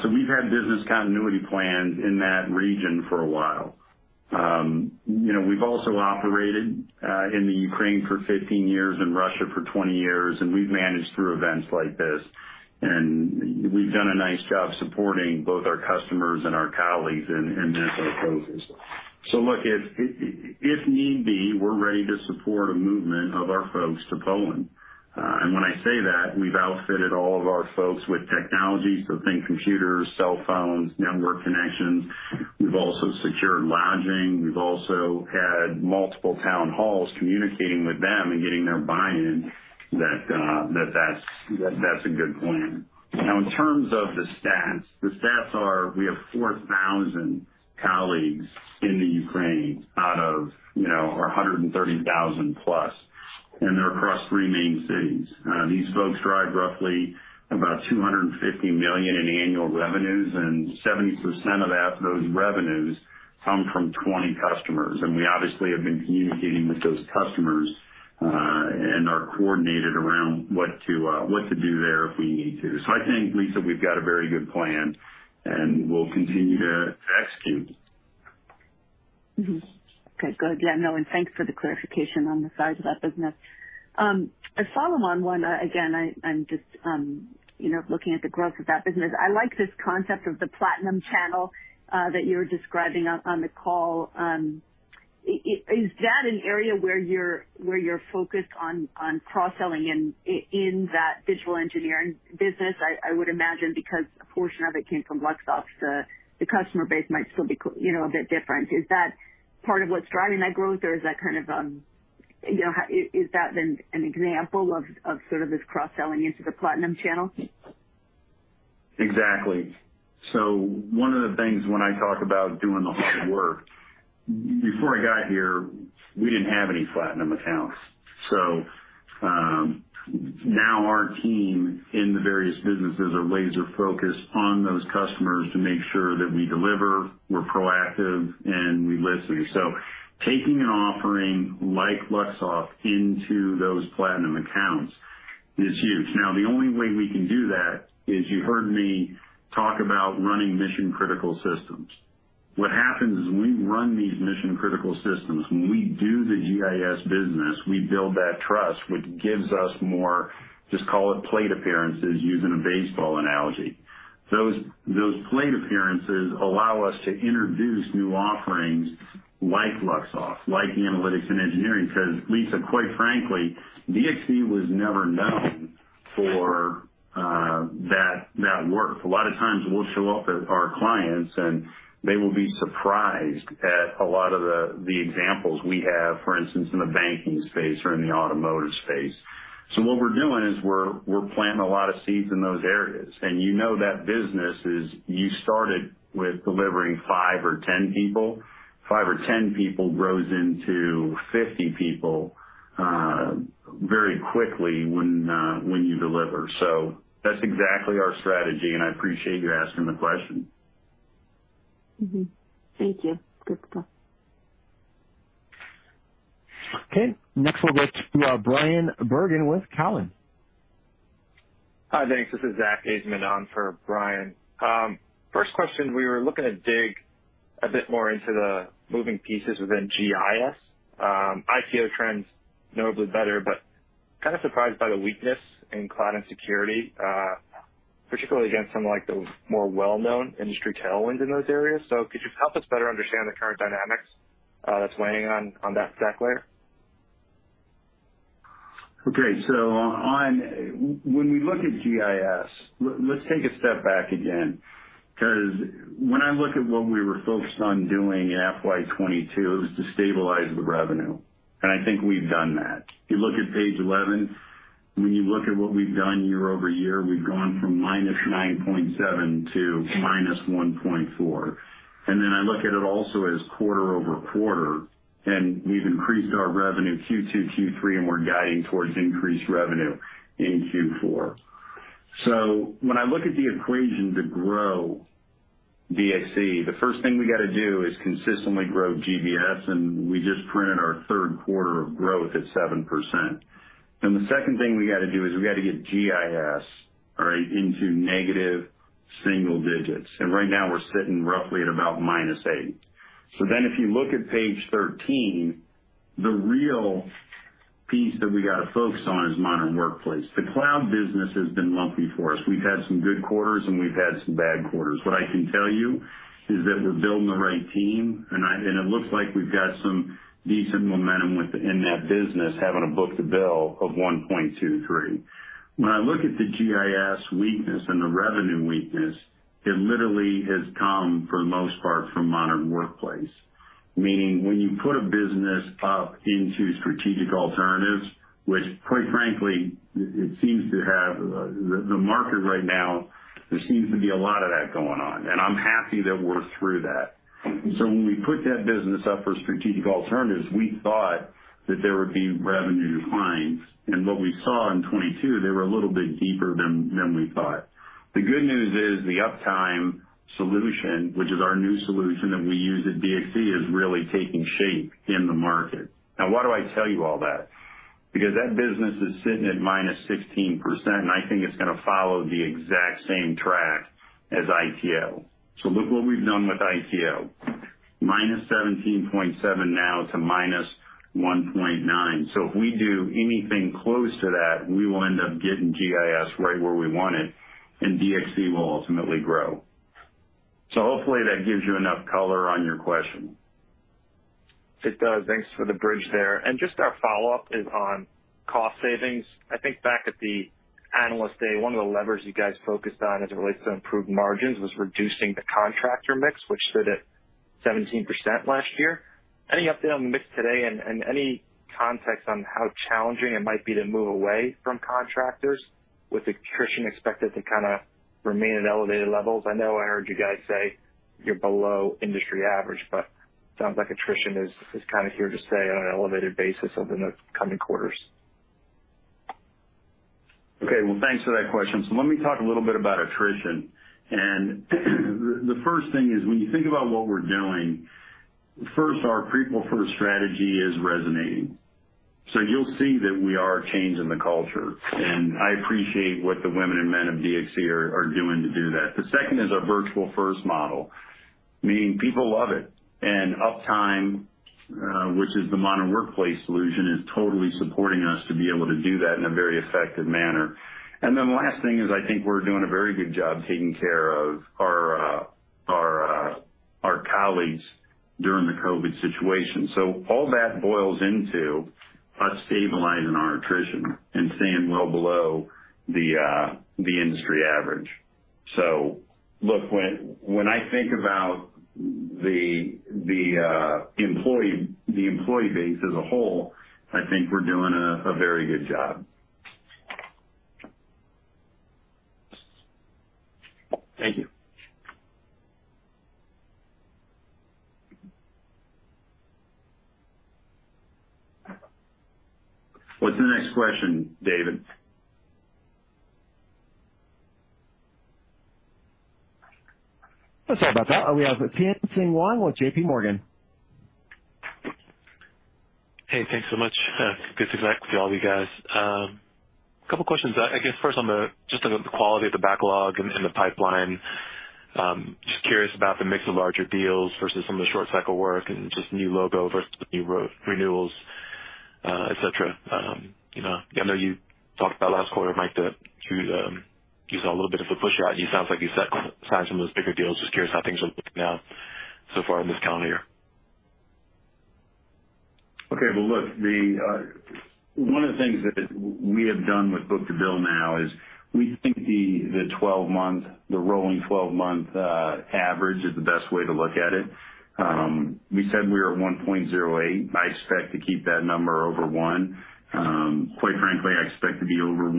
We've had business continuity plans in that region for a while. You know, we've also operated in the Ukraine for 15 years, in Russia for 20 years, and we've managed through events like this. We've done a nice job supporting both our customers and our colleagues and our folks. Look, if need be, we're ready to support a movement of our folks to Poland. When I say that, we've outfitted all of our folks with technology, so think computers, cell phones, network connections. We've also secured lodging. We've also had multiple town halls communicating with them and getting their buy-in that that's a good plan. Now, in terms of the stats, the stats are we have 4,000 colleagues in Ukraine out of, you know, 130,000 plus, and they're across three main cities. These folks drive roughly about $250 million in annual revenues, and 70% of that, those revenues come from 20 customers. We obviously have been communicating with those customers, and are coordinated around what to do there if we need to. I think, Lisa, we've got a very good plan, and we'll continue to execute. Mm-hmm. Okay, good. Yeah, no, thanks for the clarification on the size of that business. A follow-on one. Again, I'm just, you know, looking at the growth of that business. I like this concept of the platinum channel that you were describing on the call. Is that an area where you're focused on cross-selling in that digital engineering business? I would imagine because a portion of it came from Luxoft, the customer base might still be, you know, a bit different. Is that part of what's driving that growth or is that kind of, you know, an example of sort of this cross-selling into the platinum channel? Exactly. One of the things when I talk about doing the hard work, before I got here, we didn't have any platinum accounts. Now our team in the various businesses are laser-focused on those customers to make sure that we deliver, we're proactive, and we listen. Taking an offering like Luxoft into those platinum accounts is huge. Now, the only way we can do that is you heard me talk about running mission-critical systems. What happens is when we run these mission-critical systems, when we do the GIS business, we build that trust, which gives us more, just call it plate appearances, using a baseball analogy. Those plate appearances allow us to introduce new offerings like Luxoft, like analytics and engineering, 'cause Lisa, quite frankly, DXC was never known for that work. A lot of times we'll show up at our clients, and they will be surprised at a lot of the examples we have, for instance, in the banking space or in the automotive space. What we're doing is we're planting a lot of seeds in those areas. You know, that business is you started with delivering five or 10 people. five or 10 people grows into 50 people very quickly when you deliver. That's exactly our strategy, and I appreciate you asking the question. Mm-hmm. Thank you. Good stuff. Okay, next we'll go to Bryan Bergin with Cowen. Hi, thanks. This is Zack Ajzenman on for Brian. First question, we were looking to dig a bit more into the moving pieces within GIS. ITO trends notably better, but kind of surprised by the weakness in cloud and security, particularly against some of like the more well-known industry tailwinds in those areas. Could you help us better understand the current dynamics that's weighing on that stack layer? When we look at GIS, let's take a step back again, 'cause when I look at what we were focused on doing in FY 2022, it was to stabilize the revenue, and I think we've done that. If you look at page 11, when you look at what we've done year-over-year, we've gone from -9.7% to -1.4%. I look at it also as quarter-over-quarter, and we've increased our revenue Q2, Q3, and we're guiding towards increased revenue in Q4. When I look at the equation to grow DXC, the first thing we gotta do is consistently grow GBS, and we just printed our third quarter of growth at 7%. The second thing we gotta do is we gotta get GIS, all right, into negative single digits. Right now we're sitting roughly at about -8%. If you look at page 13, the real piece that we gotta focus on is Modern Workplace. The cloud business has been lumpy for us. We've had some good quarters, and we've had some bad quarters. What I can tell you is that we're building the right team, and it looks like we've got some decent momentum within that business having a book-to-bill of 1.23. When I look at the GIS weakness and the revenue weakness, it literally has come, for the most part, from Modern Workplace. Meaning when you put a business up into strategic alternatives, which quite frankly, it seems to have, the market right now, there seems to be a lot of that going on, and I'm happy that we're through that. When we put that business up for strategic alternatives, we thought that there would be revenue declines. What we saw in 2022, they were a little bit deeper than we thought. The good news is the UPtime solution, which is our new solution that we use at DXC, is really taking shape in the market. Now, why do I tell you all that? Because that business is sitting at -16%, and I think it's gonna follow the exact same track as ITO. Look what we've done with ITO. -17.7% now to -1.9%. If we do anything close to that, we will end up getting GIS right where we want it, and DXC will ultimately grow. Hopefully that gives you enough color on your question. It does. Thanks for the bridge there. Just our follow-up is on cost savings. I think back at the Analyst Day, one of the levers you guys focused on as it relates to improved margins was reducing the contractor mix, which stood at 17% last year. Any update on the mix today and any context on how challenging it might be to move away from contractors with attrition expected to kinda remain at elevated levels? I know I heard you guys say you're below industry average, but sounds like attrition is kind of here to stay on an elevated basis over the coming quarters. Okay. Well, thanks for that question. Let me talk a little bit about attrition. The first thing is, when you think about what we're doing, our people-first strategy is resonating. You'll see that we are changing the culture. I appreciate what the women and men of DXC are doing to do that. The second is our virtual first model, meaning people love it. UPtime, which is the modern workplace solution, is totally supporting us to be able to do that in a very effective manner. Last thing is, I think we're doing a very good job taking care of our colleagues during the COVID situation. All that boils into us stabilizing our attrition and staying well below the industry average. Look, when I think about the employee base as a whole, I think we're doing a very good job. Thank you. What's the next question, David? Sorry about that. We have Tien-Tsin Huang with J.P. Morgan. Hey, thanks so much. Good to connect with all of you guys. Couple questions. I guess first just on the quality of the backlog and the pipeline. Just curious about the mix of larger deals versus some of the short cycle work and just new logo versus new renewals, et cetera. You know, I know you talked about last quarter, Mike, that you saw a little bit of the pushout. It sounds like you signed some of those bigger deals. Just curious how things are looking now so far in this calendar year. Okay. Well, look, the one of the things that we have done with book-to-bill now is we think the 12 month, the rolling 12-month average is the best way to look at it. We said we were at 1.08. I expect to keep that number over one. Quite frankly, I expect to be over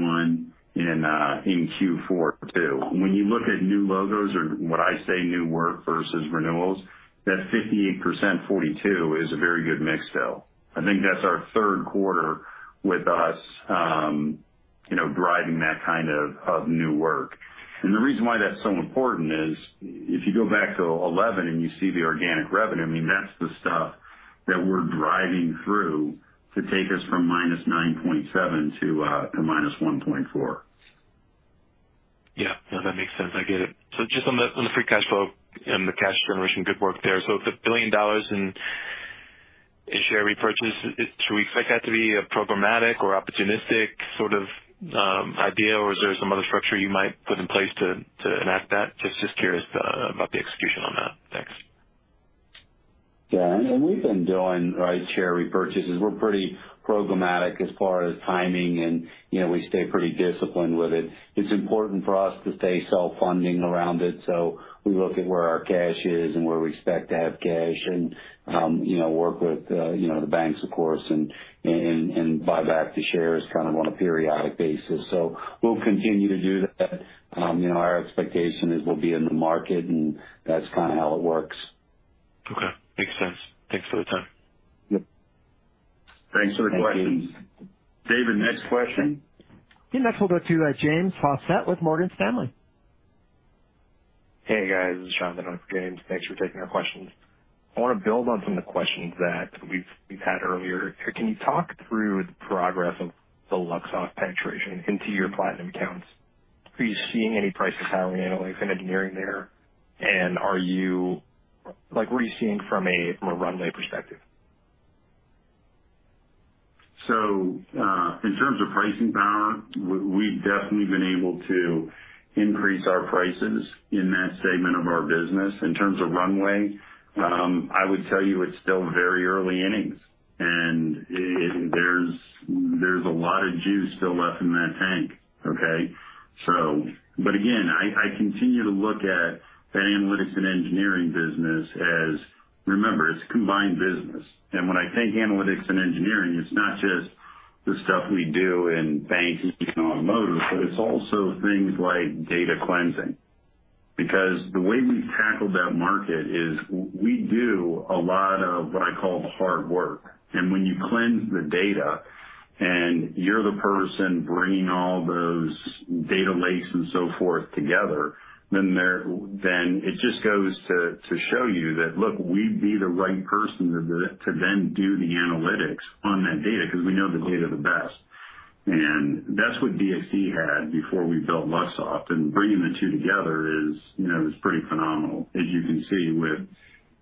one in Q4 too. When you look at new logos or what I say new work versus renewals, that 58%-42% is a very good mix still. I think that's our third quarter with us, you know, driving that kind of new work. The reason why that's so important is if you go back to 11 and you see the organic revenue, I mean, that's the stuff that we're driving through to take us from -9.7% to -1.4%. Yeah. No, that makes sense. I get it. Just on the free cash flow and the cash generation, good work there. If $1 billion in share repurchase, should we expect that to be a programmatic or opportunistic sort of idea, or is there some other structure you might put in place to enact that? Just curious about the execution on that. Thanks. Yeah. We've been doing our share repurchases. We're pretty programmatic as far as timing and, you know, we stay pretty disciplined with it. It's important for us to stay self-funding around it, so we look at where our cash is and where we expect to have cash and, you know, work with, you know, the banks of course and buy back the shares kind of on a periodic basis. We'll continue to do that. You know, our expectation is we'll be in the market and that's kind of how it works. Okay. Makes sense. Thanks for the time. Yep. Thanks for the questions. David, next question. Next we'll go to James Faucette with Morgan Stanley. Hey, guys. This is James. Thanks for taking our questions. I wanna build on some of the questions that we've had earlier. Can you talk through the progress of the Luxoft penetration into your platinum accounts? Are you seeing any pricing power in analytics and engineering there? And are you like, what are you seeing from a runway perspective? In terms of pricing power, we've definitely been able to increase our prices in that segment of our business. In terms of runway, I would tell you it's still very early innings and there's a lot of juice still left in that tank, okay? I continue to look at the analytics and engineering business. Remember, it's combined business. When I say analytics and engineering, it's not just the stuff we do in bank and automotive, but it's also things like data cleansing. Because the way we've tackled that market is we do a lot of what I call the hard work. When you cleanse the data and you're the person bringing all those data lakes and so forth together, then it just goes to show you that, look, we'd be the right person to then do the analytics on that data 'cause we know the data the best. That's what DXC had before we built Luxoft. Bringing the two together is, you know, pretty phenomenal, as you can see, with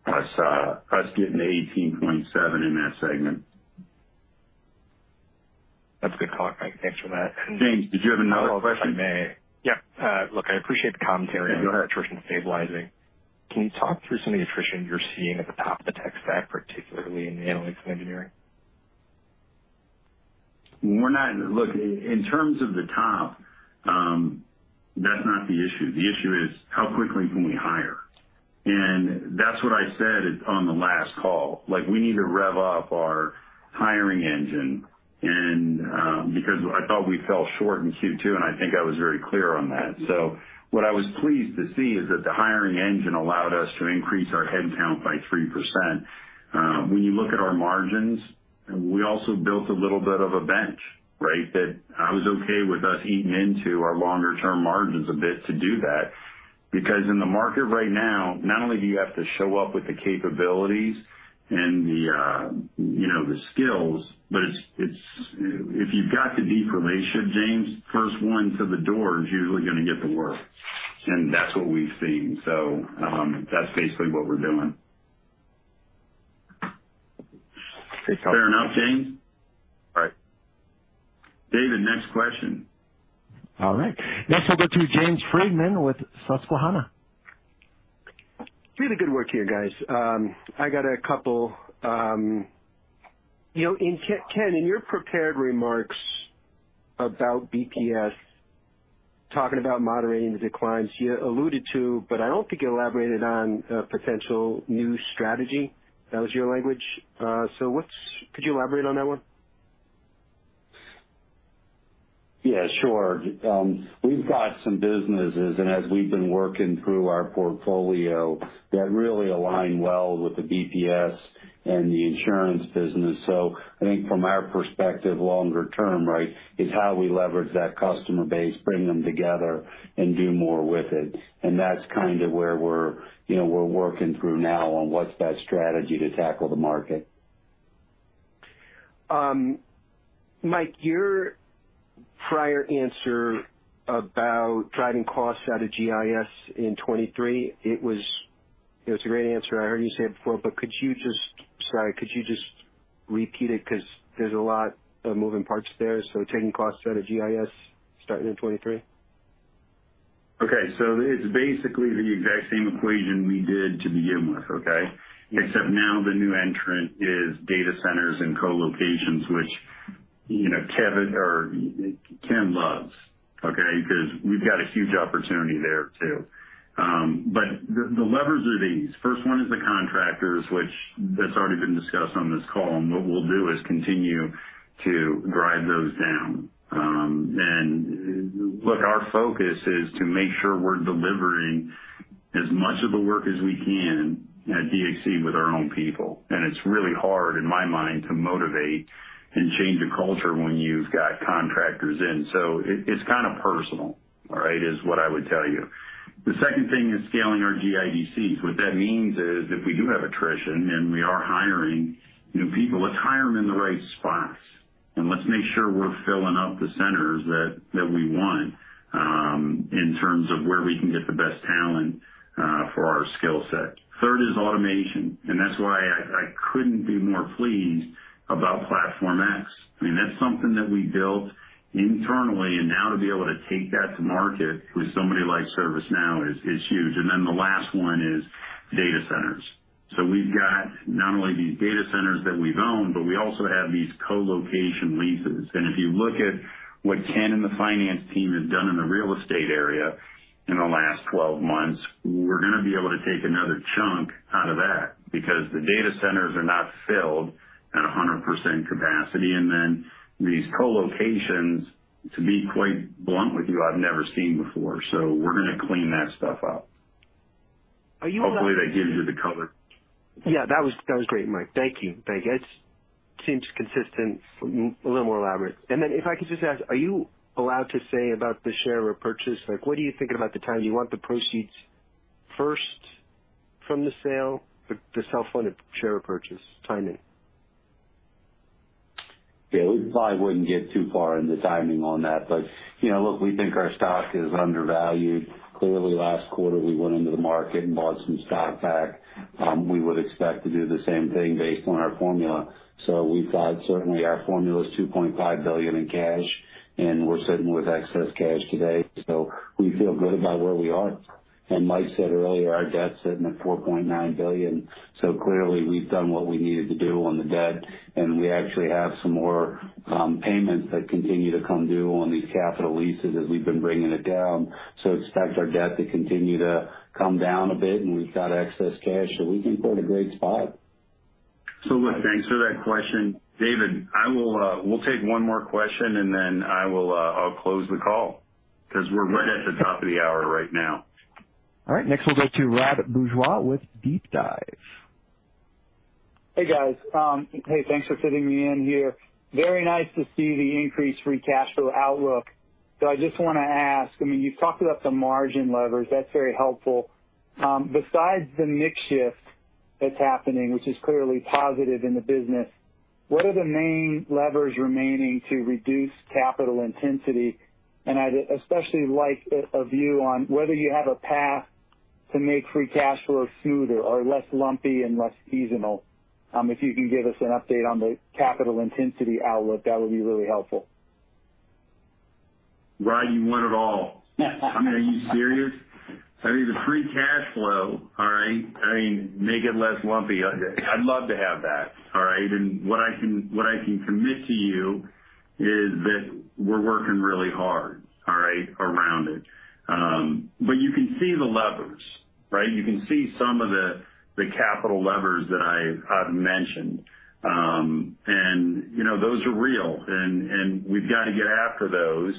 us getting to 18.7 in that segment. That's a good call, Mike. Thanks for that. James, did you have another question? If I may. Yeah. Look, I appreciate the commentary. Yeah, go ahead. On attrition stabilizing. Can you talk through some of the attrition you're seeing at the top of the tech stack, particularly in the analytics and engineering? Look, in terms of the top, that's not the issue. The issue is how quickly can we hire. That's what I said it on the last call. Like, we need to rev up our hiring engine and, because I thought we fell short in Q2, and I think I was very clear on that. What I was pleased to see is that the hiring engine allowed us to increase our headcount by 3%. When you look at our margins, we also built a little bit of a bench, right? That I was okay with us eating into our longer term margins a bit to do that. Because in the market right now, not only do you have to show up with the capabilities and the, you know, the skills, but it's if you've got the deep relationship, James, first one to the door is usually gonna get the work. That's what we've seen. That's basically what we're doing. Okay. Fair enough, James? All right. David, next question. All right. Next, I'll go to James Friedman with Susquehanna. Really good work here, guys. I got a couple. You know, Ken, in your prepared remarks about BPS, talking about moderating the declines, you alluded to, but I don't think you elaborated on, potential new strategy. That was your language. So, could you elaborate on that one? Yeah, sure. We've got some businesses, and as we've been working through our portfolio that really align well with the BPS and the insurance business. I think from our perspective, longer term, right, is how we leverage that customer base, bring them together and do more with it. That's kind of where you know, we're working through now on what's that strategy to tackle the market. Mike, your prior answer about driving costs out of GIS in 2023, it was, you know, it's a great answer. I heard you say it before, but sorry, could you just repeat it? 'Cause there's a lot of moving parts there. Taking costs out of GIS starting in 2023. It's basically the exact same equation we did to begin with, okay? Except now the new entrant is data centers and co-locations, which, you know, Ken loves, okay? 'Cause we've got a huge opportunity there too. The levers are these. First one is the contractors, which that's already been discussed on this call. What we'll do is continue to drive those down. Look, our focus is to make sure we're delivering as much of the work as we can at DXC with our own people. It's really hard, in my mind, to motivate and change a culture when you've got contractors in. It's kind of personal, all right? Is what I would tell you. The second thing is scaling our GIDC. What that means is if we do have attrition and we are hiring new people, let's hire them in the right spots, and let's make sure we're filling up the centers that we want in terms of where we can get the best talent for our skill set. Third is automation, and that's why I couldn't be more pleased about Platform X. I mean, that's something that we built internally, and now to be able to take that to market with somebody like ServiceNow is huge. The last one is data centers. We've got not only these data centers that we've owned, but we also have these co-location leases. If you look at what Ken and the finance team have done in the real estate area in the last 12 months, we're gonna be able to take another chunk out of that because the data centers are not filled at 100% capacity. Then these co-locations, to be quite blunt with you, I've never seen before. We're gonna clean that stuff up. Are you- Hopefully that gives you the color. Yeah, that was great, Mike. Thank you. Thank you. It seems consistent, a little more elaborate. If I could just ask, are you allowed to say about the share repurchase? Like, what are you thinking about the timing? Do you want the proceeds first from the sale to self-funded share purchase timing? Yeah, we probably wouldn't get too far in the timing on that. You know, look, we think our stock is undervalued. Clearly, last quarter, we went into the market and bought some stock back. We would expect to do the same thing based on our formula. We thought certainly our formula is $2.5 billion in cash, and we're sitting with excess cash today. We feel good about where we are. Mike said earlier, our debt's sitting at $4.9 billion. Clearly, we've done what we needed to do on the debt, and we actually have some more payments that continue to come due on these capital leases as we've been bringing it down. Expect our debt to continue to come down a bit, and we've got excess cash. We think we're in a great spot. Look, thanks for that question. David, we'll take one more question, and then I'll close the call because we're right at the top of the hour right now. All right. Next, we'll go to Rod Bourgeois with DeepDive. Hey, guys. Hey, thanks for fitting me in here. Very nice to see the increased free cash flow outlook. I just wanna ask, I mean, you talked about the margin leverage, that's very helpful. Besides the mix shift that's happening, which is clearly positive in the business. What are the main levers remaining to reduce capital intensity? I'd especially like a view on whether you have a path to make free cash flow smoother or less lumpy and less seasonal. If you can give us an update on the capital intensity outlook, that would be really helpful. Rod, you want it all. I mean, are you serious? I mean, the free cash flow, all right? I mean, make it less lumpy. I'd love to have that, all right? What I can commit to you is that we're working really hard, all right, around it. You can see the levers, right? You can see some of the capital levers that I've mentioned. You know, those are real and we've got to get after those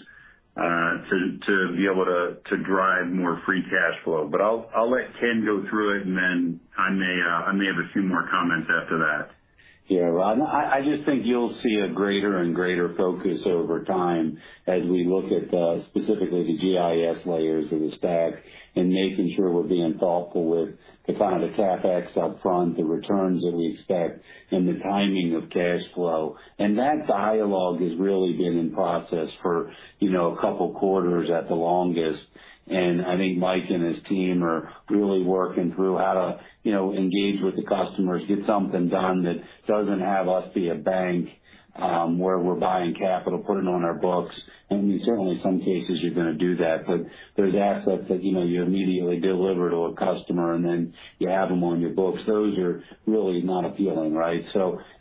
to be able to drive more free cash flow. I'll let Ken go through it, and then I may have a few more comments after that. Yeah. Rod, I just think you'll see a greater and greater focus over time as we look at specifically the GIS layers of the stack and making sure we're being thoughtful with the kind of the CapEx upfront, the returns that we expect and the timing of cash flow. That dialogue has really been in process for, you know, a couple quarters at the longest. I think Mike and his team are really working through how to, you know, engage with the customers, get something done that doesn't have us be a bank, where we're buying capital, putting it on our books. I mean, certainly in some cases you're gonna do that, but there's assets that, you know, you immediately deliver to a customer and then you have them on your books. Those are really not appealing, right?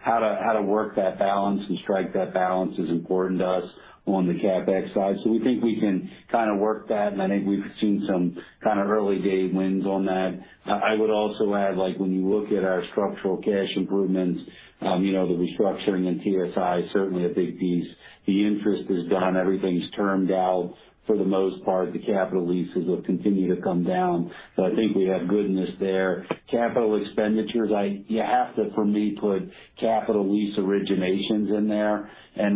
How to work that balance and strike that balance is important to us on the CapEx side. We think we can kind of work that, and I think we've seen some kind of early day wins on that. I would also add, like when you look at our structural cash improvements, you know, the restructuring and TSI is certainly a big piece. The interest is done, everything's termed out for the most part. The capital leases will continue to come down. I think we have goodness there. Capital expenditures, you have to, for me, put capital lease originations in there.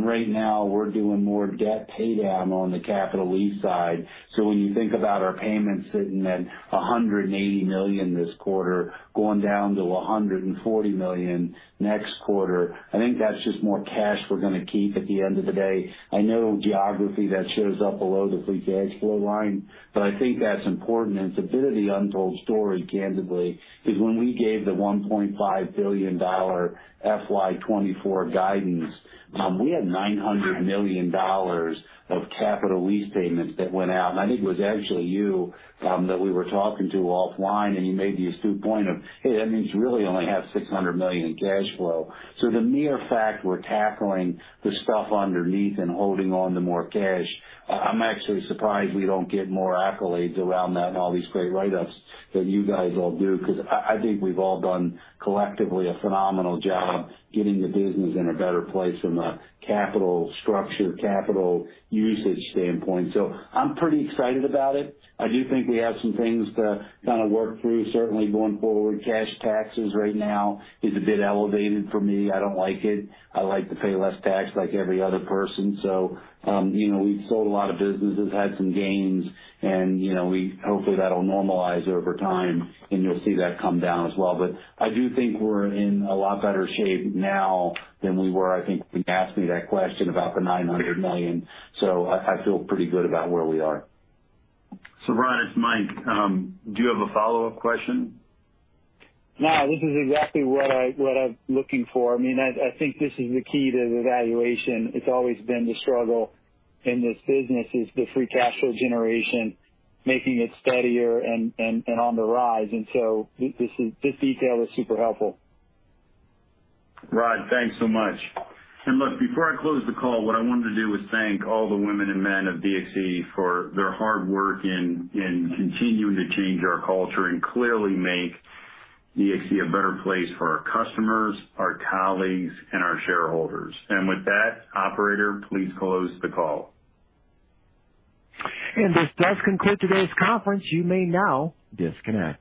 Right now we're doing more debt paydown on the capital lease side. When you think about our payments sitting at $180 million this quarter, going down to $140 million next quarter, I think that's just more cash we're gonna keep at the end of the day. I know geography that shows up below the free cash flow line, but I think that's important. It's a bit of the untold story, candidly, because when we gave the $1.5 billion FY 2024 guidance, we had $900 million of capital lease payments that went out. I think it was actually you, that we were talking to offline, and you made the astute point of, "Hey, that means you really only have $600 million in cash flow." The mere fact we're tackling the stuff underneath and holding on to more cash, I'm actually surprised we don't get more accolades around that and all these great write-ups that you guys all do, 'cause I think we've all done collectively a phenomenal job getting the business in a better place from a capital structure, capital usage standpoint. I'm pretty excited about it. I do think we have some things to kind of work through certainly going forward. Cash taxes right now is a bit elevated for me. I don't like it. I like to pay less tax like every other person. You know, we've sold a lot of businesses, had some gains and, you know, hopefully that'll normalize over time and you'll see that come down as well. But I do think we're in a lot better shape now than we were, I think, when you asked me that question about the $900 million. I feel pretty good about where we are. Rod, it's Mike. Do you have a follow-up question? No. This is exactly what I'm looking for. I mean, I think this is the key to the valuation. It's always been the struggle in this business, is the free cash flow generation, making it steadier and on the rise. This detail is super helpful. Rod, thanks so much. Look, before I close the call, what I wanted to do was thank all the women and men of DXC for their hard work in continuing to change our culture and clearly make DXC a better place for our customers, our colleagues, and our shareholders. With that, operator, please close the call. This does conclude today's conference. You may now disconnect.